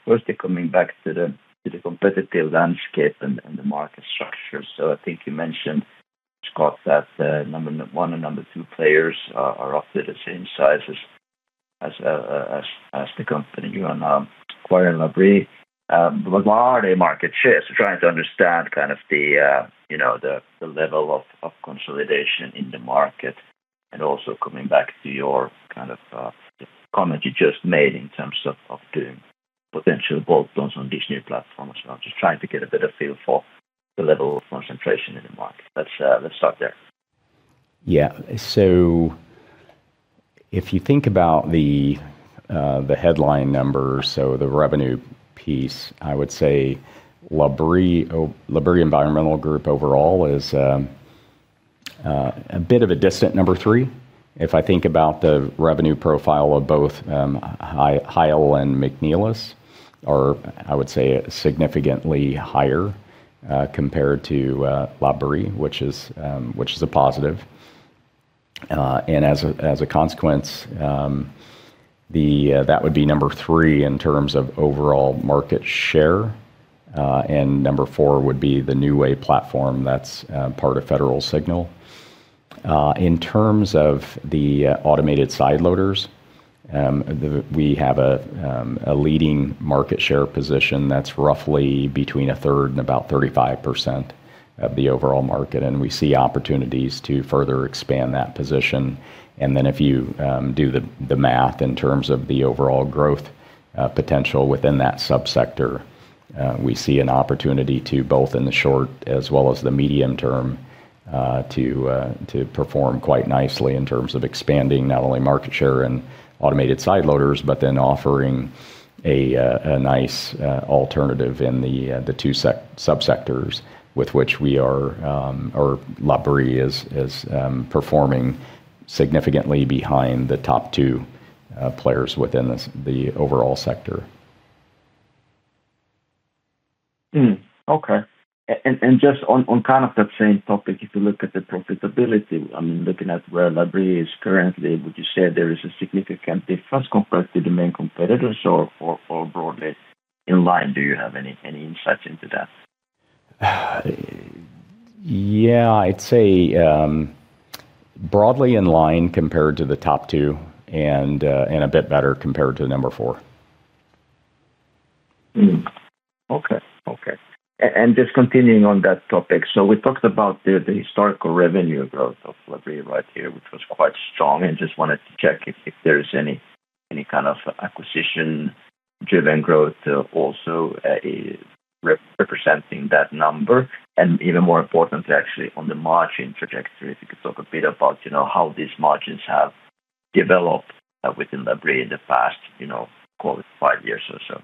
Speaker 6: Firstly, coming back to the competitive landscape and the market structure. I think you mentioned, Scott, that the number one and number two players are roughly the same size as the company you are acquiring, Labrie. What are their market shares? Trying to understand the level of consolidation in the market, and also coming back to your comment you just made in terms of doing potential bolt-ons on this new platform as well. Just trying to get a better feel for the level of concentration in the market. Let's start there.
Speaker 2: If you think about the headline number, so the revenue piece, I would say Labrie Environmental Group overall is a bit of a distant number three. If I think about the revenue profile of both Heil and McNeilus are, I would say, significantly higher compared to Labrie, which is a positive. As a consequence, that would be number three in terms of overall market share, and number four would be the New Way platform that's part of Federal Signal. In terms of the automated side loaders, we have a leading market share position that's roughly between a third and about 35% of the overall market, and we see opportunities to further expand that position. If you do the math in terms of the overall growth potential within that subsector, we see an opportunity to, both in the short as well as the medium term, to perform quite nicely in terms of expanding not only market share and automated side loaders, but then offering a nice alternative in the two subsectors with which we are, or Labrie is performing significantly behind the top two players within the overall sector.
Speaker 6: Okay. Just on kind of that same topic, if you look at the profitability, I mean, looking at where Labrie is currently, would you say there is a significant difference compared to the main competitors or broadly in line? Do you have any insights into that?
Speaker 2: Yeah. I'd say broadly in line compared to the top two and a bit better compared to number four.
Speaker 6: Okay. Just continuing on that topic, we talked about the historical revenue growth of Labrie right here, which was quite strong. Just wanted to check if there is any kind of acquisition-driven growth also representing that number. Even more importantly, actually, on the margin trajectory, if you could talk a bit about how these margins have developed within Labrie in the past call it five years or so?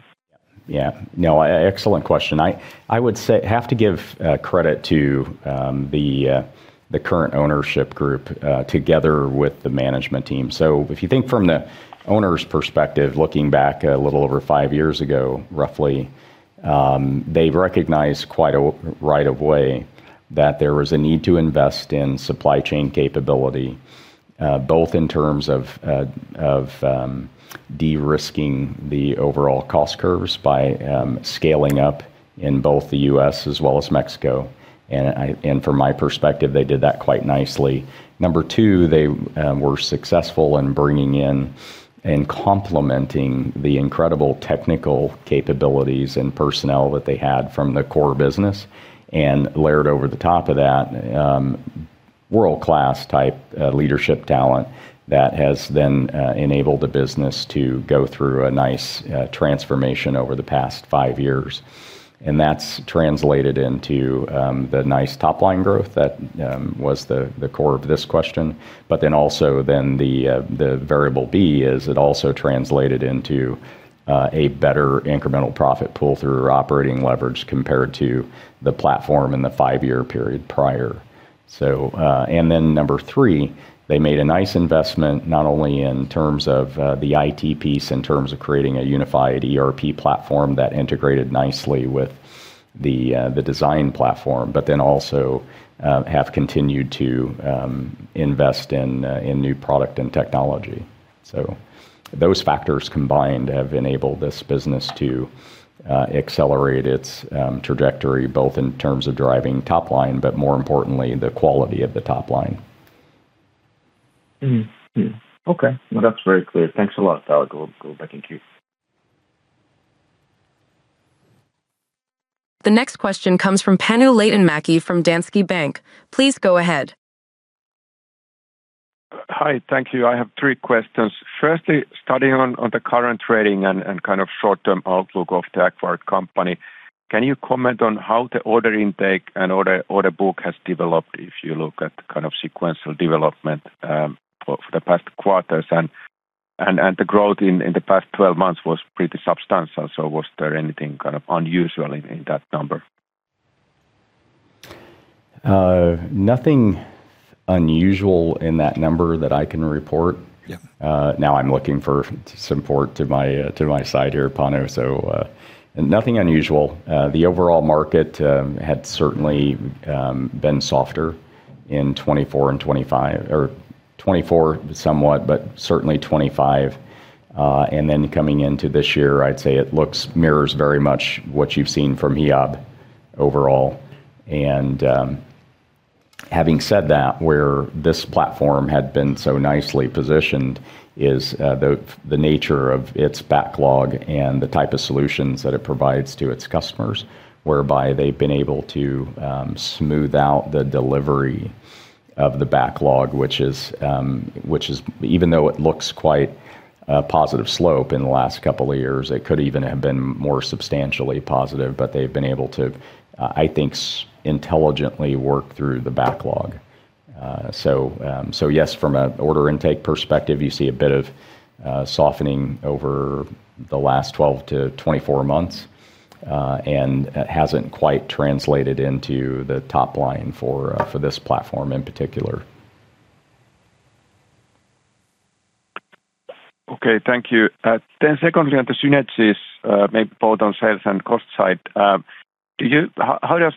Speaker 2: Yeah. No, excellent question. I would have to give credit to the current ownership group together with the management team. If you think from the owner's perspective, looking back a little over five years ago, roughly, they've recognized quite right away that there was a need to invest in supply chain capability, both in terms of de-risking the overall cost curves by scaling up in both the U.S. as well as Mexico. From my perspective, they did that quite nicely. Number two, they were successful in bringing in and complementing the incredible technical capabilities and personnel that they had from the core business, and layered over the top of that, world-class type leadership talent that has then enabled the business to go through a nice transformation over the past five years. That's translated into the nice top-line growth that was the core of this question. Also then the variable B is it also translated into a better incremental profit pull-through operating leverage compared to the platform in the five-year period prior. Number three, they made a nice investment, not only in terms of the IT piece, in terms of creating a unified ERP platform that integrated nicely with the design platform, but then also have continued to invest in new product and technology. Those factors combined have enabled this business to accelerate its trajectory, both in terms of driving top line, but more importantly, the quality of the top line.
Speaker 6: Okay. That's very clear. Thanks a lot. I'll go back in queue.
Speaker 4: The next question comes from Panu Laitinmäki from Danske Bank. Please go ahead.
Speaker 7: Hi. Thank you. I have three questions. Firstly, starting on the current trading and kind of short-term outlook of the acquired company, can you comment on how the order intake and order book has developed if you look at kind of sequential development for the past quarters? The growth in the past 12 months was pretty substantial, so was there anything kind of unusual in that number?
Speaker 2: Nothing unusual in that number that I can report.
Speaker 7: Yeah.
Speaker 2: I'm looking for some support to my side here, Panu. Nothing unusual. The overall market had certainly been softer in 2024 and 2025, or 2024 somewhat, but certainly 2025. Coming into this year, I'd say it mirrors very much what you've seen from Hiab overall. Having said that, where this platform had been so nicely positioned is the nature of its backlog and the type of solutions that it provides to its customers, whereby they've been able to smooth out the delivery of the backlog, which is, even though it looks quite a positive slope in the last couple of years, it could even have been more substantially positive, but they've been able to, I think, intelligently work through the backlog. Yes, from an order intake perspective, you see a bit of softening over the last 12-24 months, and it hasn't quite translated into the top line for this platform in particular.
Speaker 7: Okay. Thank you. Secondly, on the synergies, maybe both on sales and cost side, how does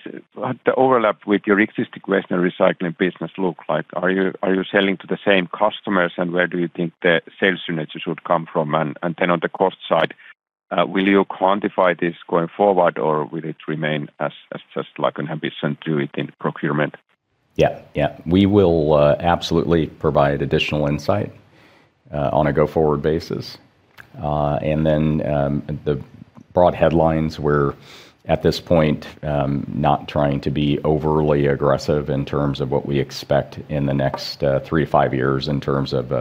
Speaker 7: the overlap with your existing waste and recycling business look like? Are you selling to the same customers and where do you think the sales synergies should come from? On the cost side, will you quantify this going forward or will it remain as just like an ambition to it in procurement?
Speaker 2: Yeah. We will absolutely provide additional insight on a go-forward basis. The broad headlines we're at this point, not trying to be overly aggressive in terms of what we expect in the next three to five years in terms of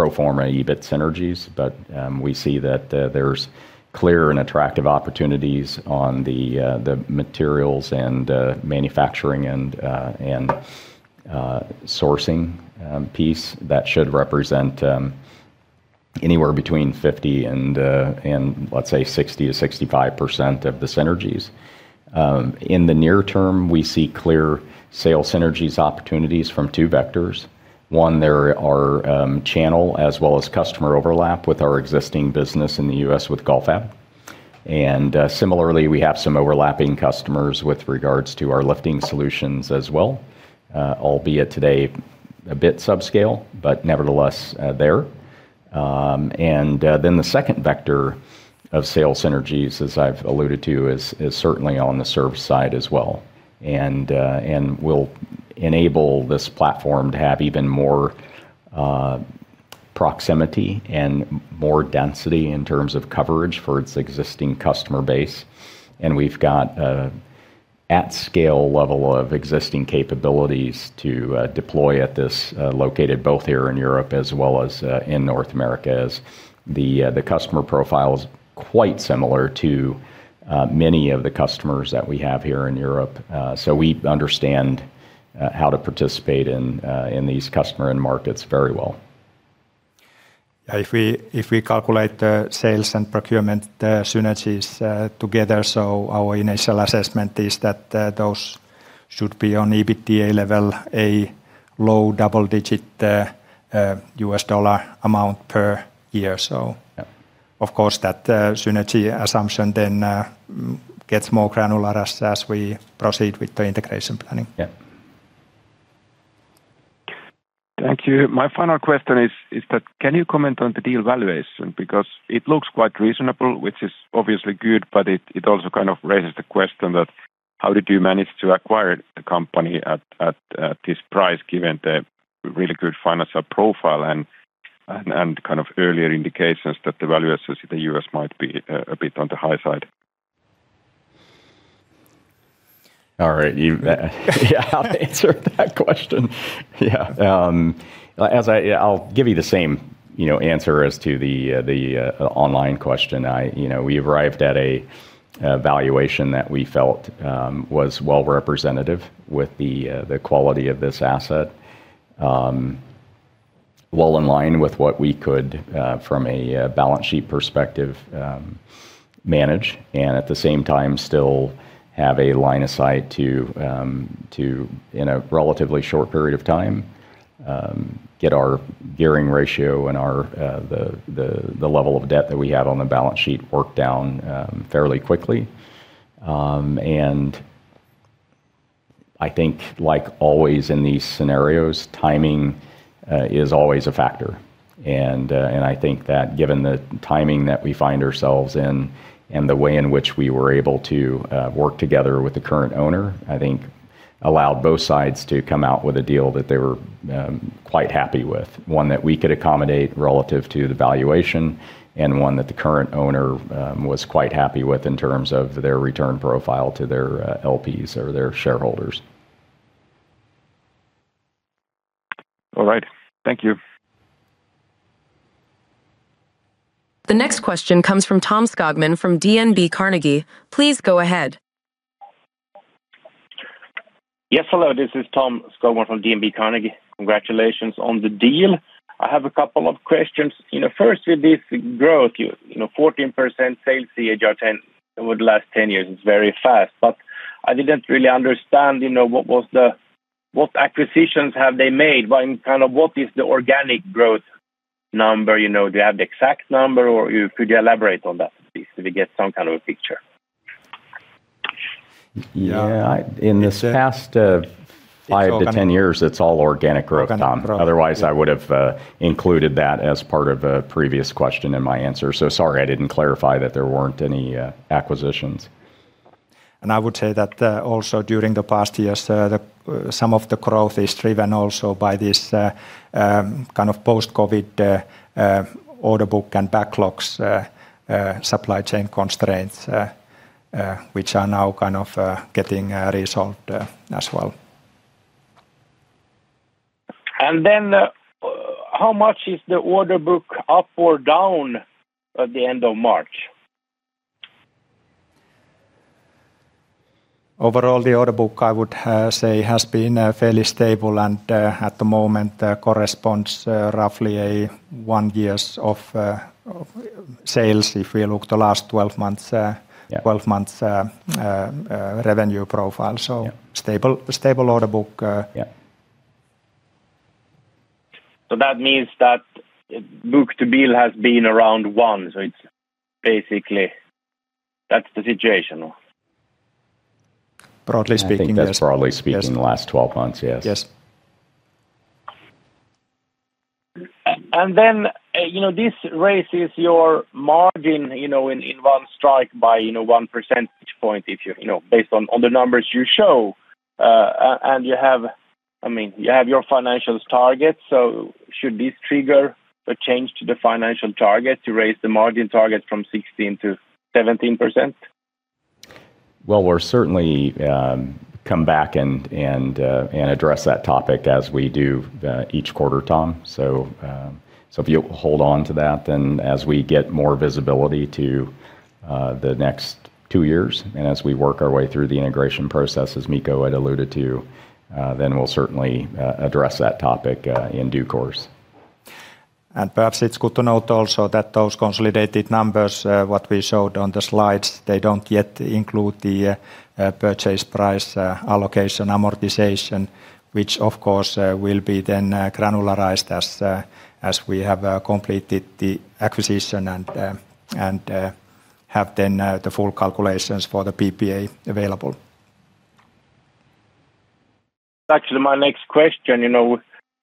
Speaker 2: pro forma EBIT synergies. We see that there's clear and attractive opportunities on the materials and manufacturing and sourcing piece that should represent anywhere between 50% and let's say 60%-65% of the synergies. In the near term, we see clear sales synergies opportunities from two vectors. One, there are channel as well as customer overlap with our existing business in the U.S. with Galfab. Similarly, we have some overlapping customers with regards to our lifting solutions as well, albeit today a bit subscale, but nevertheless, there. The second vector of sales synergies, as I've alluded to, is certainly on the service side as well, and will enable this platform to have even more proximity and more density in terms of coverage for its existing customer base. We've got at scale level of existing capabilities to deploy at this, located both here in Europe as well as in North America, as the customer profile is quite similar to many of the customers that we have here in Europe. We understand how to participate in these customer end markets very well.
Speaker 3: If we calculate the sales and procurement synergies together, so our initial assessment is that those should be on EBITDA level, a low double-digit US dollar amount per year.
Speaker 2: Yeah.
Speaker 3: Of course, that synergy assumption then gets more granular as we proceed with the integration planning.
Speaker 2: Yeah.
Speaker 7: Thank you. My final question is that can you comment on the deal valuation? It looks quite reasonable, which is obviously good, but it also kind of raises the question that how did you manage to acquire the company at this price, given the really good financial profile and kind of earlier indications that the value associate U.S. might be a bit on the high side?
Speaker 2: All right. Yeah, I'll answer that question. Yeah. I'll give you the same answer as to the online question. We arrived at a valuation that we felt was well-representative with the quality of this asset. Well in line with what we could, from a balance sheet perspective, manage, and at the same time still have a line of sight to, in a relatively short period of time, get our gearing ratio and the level of debt that we have on the balance sheet worked down fairly quickly. I think, like always in these scenarios, timing is always a factor. I think that given the timing that we find ourselves in and the way in which we were able to work together with the current owner, I think allowed both sides to come out with a deal that they were quite happy with. One that we could accommodate relative to the valuation, and one that the current owner was quite happy with in terms of their return profile to their LPs or their shareholders.
Speaker 7: All right. Thank you.
Speaker 4: The next question comes from Tom Skogman from DNB Carnegie. Please go ahead.
Speaker 8: Yes, hello, this is Tom Skogman from DNB Carnegie. Congratulations on the deal. I have a couple of questions. First, with this growth, 14% sales CAGR over the last 10 years is very fast, I didn't really understand what acquisitions have they made, in kind of what is the organic growth number? Do you have the exact number, or could you elaborate on that, please, so we get some kind of a picture?
Speaker 2: Yeah. In this past five to 10 years, it's all organic growth, Tom. Otherwise, I would've included that as part of a previous question in my answer. Sorry I didn't clarify that there weren't any acquisitions.
Speaker 3: I would say that also during the past years, some of the growth is driven also by this kind of post-COVID order book and backlogs supply chain constraints, which are now kind of getting resolved as well.
Speaker 8: How much is the order book up or down at the end of March?
Speaker 3: Overall, the order book, I would say, has been fairly stable and at the moment corresponds roughly a one years of sales if we look the last 12 months.
Speaker 2: Yeah
Speaker 3: Revenue profile.
Speaker 2: Yeah.
Speaker 3: Stable order book.
Speaker 2: Yeah.
Speaker 8: That means that book to bill has been around one. It's basically that's the situation.
Speaker 3: Broadly speaking, yes.
Speaker 2: I think that's broadly speaking.
Speaker 3: Yes
Speaker 2: The last 12 months, yes.
Speaker 3: Yes.
Speaker 8: This raises your margin in one strike by one percentage point based on the numbers you show. You have your financials target, should this trigger a change to the financial target to raise the margin target from 16%-17%?
Speaker 2: Well, we'll certainly come back and address that topic as we do each quarter, Tom. If you hold on to that, then as we get more visibility to the next two years, and as we work our way through the integration process, as Mikko had alluded to, then we'll certainly address that topic in due course.
Speaker 3: Perhaps it's good to note also that those consolidated numbers, what we showed on the slides, they don't yet include the Purchase Price Allocation amortization, which of course will be then granularized as we have completed the acquisition and have then the full calculations for the PPA available.
Speaker 8: Actually, my next question,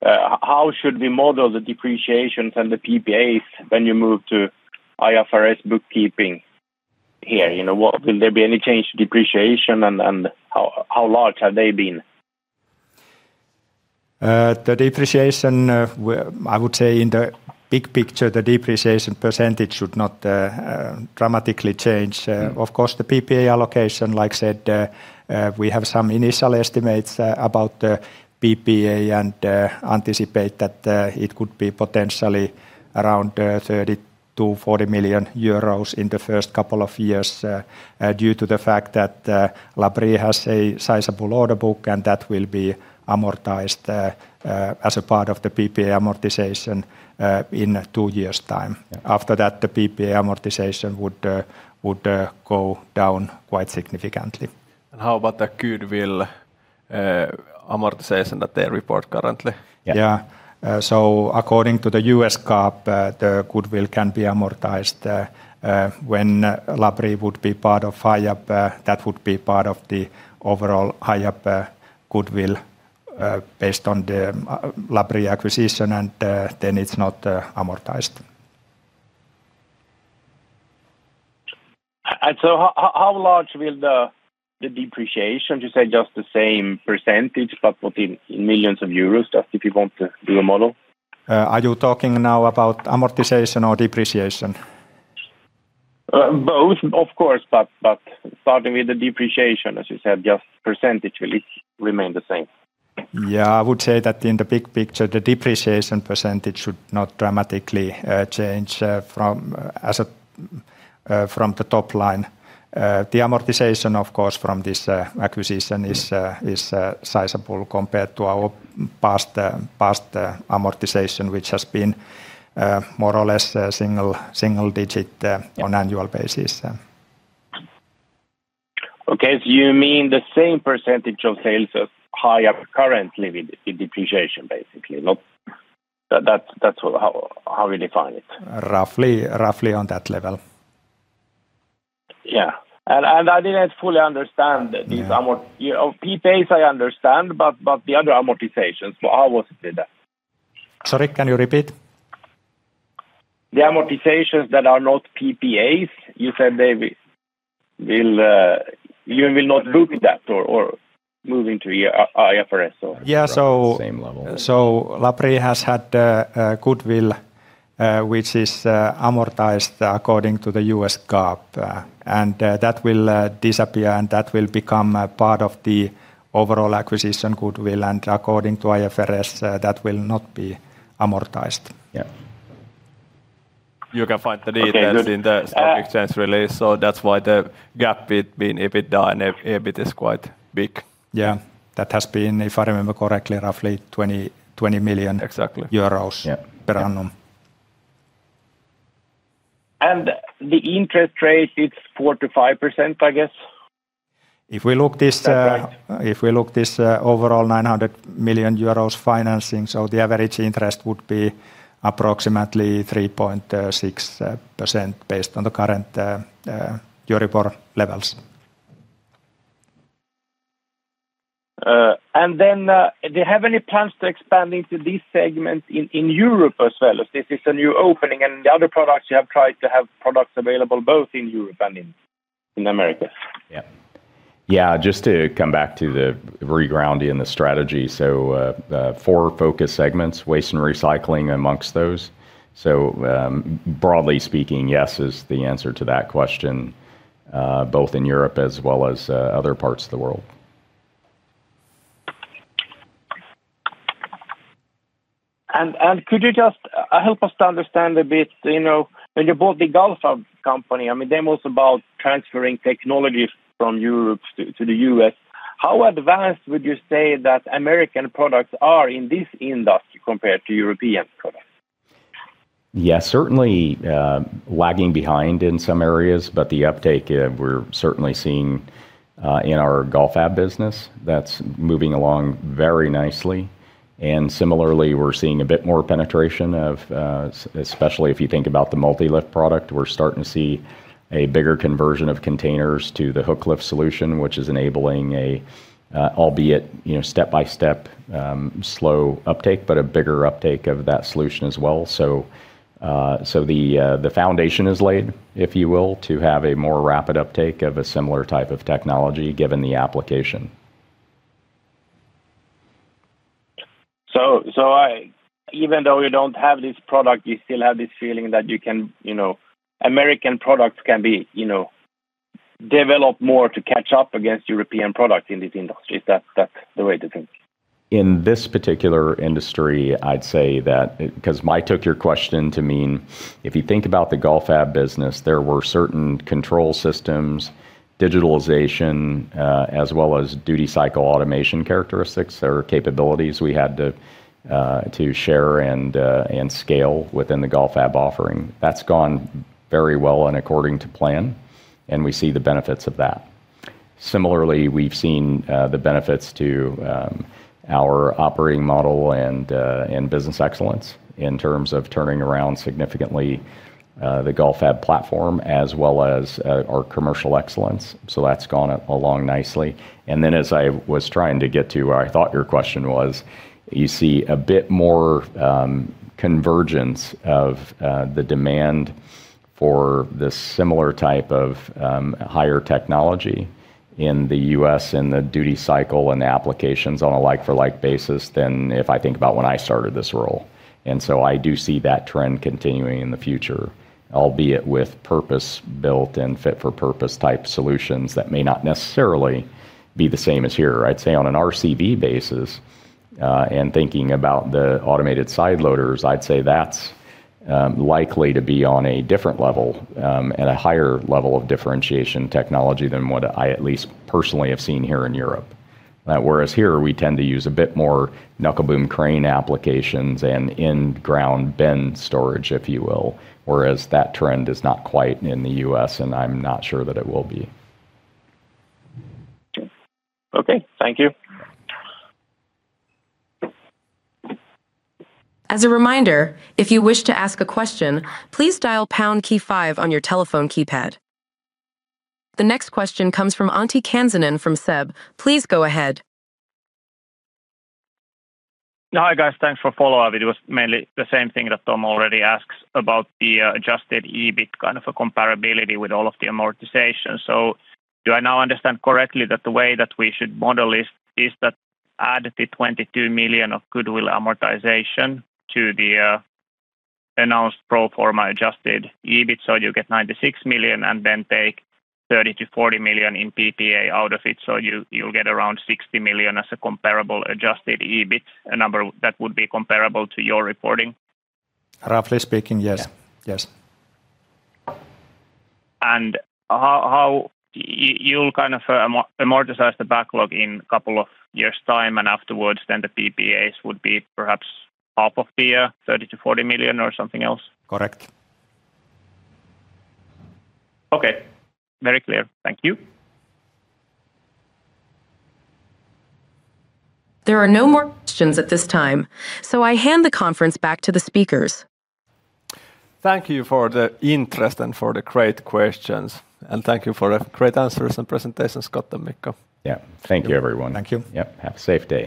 Speaker 8: how should we model the depreciations and the PPAs when you move to IFRS bookkeeping here? Will there be any change to depreciation and how large have they been?
Speaker 3: The depreciation, I would say in the big picture, the depreciation percentage should not dramatically change. Of course, the PPA allocation, like I said, we have some initial estimates about the PPA and anticipate that it could be potentially around 30 million-40 million euros in the first couple of years due to the fact that Labrie has a sizable order book, and that will be amortized as a part of the PPA amortization in two years' time. After that, the PPA amortization would go down quite significantly.
Speaker 1: How about the goodwill amortization that they report currently?
Speaker 3: Yeah. According to the U.S. GAAP, the goodwill can be amortized. When Labrie would be part of Hiab, that would be part of the overall Hiab goodwill based on the Labrie acquisition, and then it is not amortized.
Speaker 8: How large will the depreciation, you said just the same percentage, but what in Euro million? Just if you want to do a model.
Speaker 3: Are you talking now about amortization or depreciation?
Speaker 8: Both, of course, but starting with the depreciation, as you said, just percentage will it remain the same?
Speaker 3: Yeah. I would say that in the big picture, the depreciation percentage should not dramatically change from the top line. The amortization, of course, from this acquisition is sizable compared to our past amortization, which has been more or less single digit on annual basis.
Speaker 8: Okay. You mean the same percentage of sales as Hiab currently with depreciation, basically? That's how we define it.
Speaker 3: Roughly on that level.
Speaker 8: Yeah. I didn't fully understand these PPAs I understand, but the other amortizations. How was it with that?
Speaker 3: Sorry, can you repeat?
Speaker 8: The amortizations that are not PPAs, you said you will not book that or move into IFRS.
Speaker 3: Yeah.
Speaker 2: Same level.
Speaker 3: Labrie has had goodwill, which is amortized according to the U.S. GAAP. That will disappear, and that will become a part of the overall acquisition goodwill. According to IFRS, that will not be amortized.
Speaker 1: Yeah. You can find the details.
Speaker 8: Okay, good.
Speaker 1: In the stock exchange release. That's why the gap between EBITDA and EBIT is quite big.
Speaker 3: Yeah. That has been, if I remember correctly, roughly 20 million.
Speaker 2: Exactly
Speaker 3: Euros per annum.
Speaker 8: The interest rate, it's 4%-5%, I guess?
Speaker 3: If we look.
Speaker 8: Is that right?
Speaker 3: If we look this overall 900 million euros financing, the average interest would be approximately 3.6% based on the current Euribor levels.
Speaker 8: Do you have any plans to expand into these segments in Europe as well? If this is a new opening, and the other products you have tried to have products available both in Europe and in America.
Speaker 2: Yeah. Just to come back to the re-grounding the strategy, so four focus segments, waste and recycling amongst those. Broadly speaking, yes is the answer to that question, both in Europe as well as other parts of the world.
Speaker 8: Could you just help us to understand a bit, when you bought the Galfab company, I mean, that was about transferring technologies from Europe to the U.S. How advanced would you say that American products are in this industry compared to European products?
Speaker 2: Yeah. Certainly lagging behind in some areas, but the uptake we're certainly seeing in our Galfab business, that's moving along very nicely. Similarly, we're seeing a bit more penetration of, especially if you think about the MULTILIFT product, we're starting to see a bigger conversion of containers to the hooklift solution, which is enabling a, albeit step-by-step, slow uptake, but a bigger uptake of that solution as well. The foundation is laid, if you will, to have a more rapid uptake of a similar type of technology given the application.
Speaker 8: Even though you don't have this product, you still have this feeling that American products can be developed more to catch up against European products in this industry. Is that the way to think?
Speaker 2: In this particular industry, I'd say that because I took your question to mean, if you think about the Galfab business, there were certain control systems, digitalization, as well as duty cycle automation characteristics or capabilities we had to share and scale within the Galfab offering. That's gone very well and according to plan, and we see the benefits of that. Similarly, we've seen the benefits to our operating model and business excellence in terms of turning around significantly the Galfab platform as well as our commercial excellence. That's gone along nicely. As I was trying to get to where I thought your question was, you see a bit more convergence of the demand for this similar type of higher technology in the U.S., in the duty cycle and the applications on a like-for-like basis than if I think about when I started this role. I do see that trend continuing in the future, albeit with purpose-built and fit-for-purpose type solutions that may not necessarily be the same as here. I'd say on an RCV basis, and thinking about the automated side loaders, I'd say that's likely to be on a different level, at a higher level of differentiation technology than what I at least personally have seen here in Europe. Whereas here we tend to use a bit more knuckle boom crane applications and in-ground bin storage, if you will, whereas that trend is not quite in the U.S., and I'm not sure that it will be.
Speaker 8: Okay. Thank you.
Speaker 4: As a reminder if you wish to asked a question please dial pound key five on your telephone keypad. The next question comes from Antti Kansanen from SEB. Please go ahead.
Speaker 5: Hi, guys. Thanks for follow-up. It was mainly the same thing that Tom already asked about the Adjusted EBIT kind of a comparability with all of the amortization. Do I now understand correctly that the way that we should model is that add the 22 million of goodwill amortization to the announced pro forma Adjusted EBIT, so you get 96 million and then take 30 million-40 million in PPA out of it, so you'll get around 60 million as a comparable Adjusted EBIT number that would be comparable to your reporting?
Speaker 3: Roughly speaking, yes.
Speaker 2: Yeah.
Speaker 3: Yes.
Speaker 5: How you'll kind of amortize the backlog in a couple of years' time and afterwards, the PPAs would be perhaps half of the 30 million-40 million or something else?
Speaker 3: Correct.
Speaker 5: Okay. Very clear. Thank you.
Speaker 4: There are no more questions at this time, so I hand the conference back to the speakers.
Speaker 1: Thank you for the interest and for the great questions, and thank you for the great answers and presentation, Scott and Mikko.
Speaker 2: Thank you, everyone.
Speaker 3: Thank you.
Speaker 2: Yep. Have a safe day.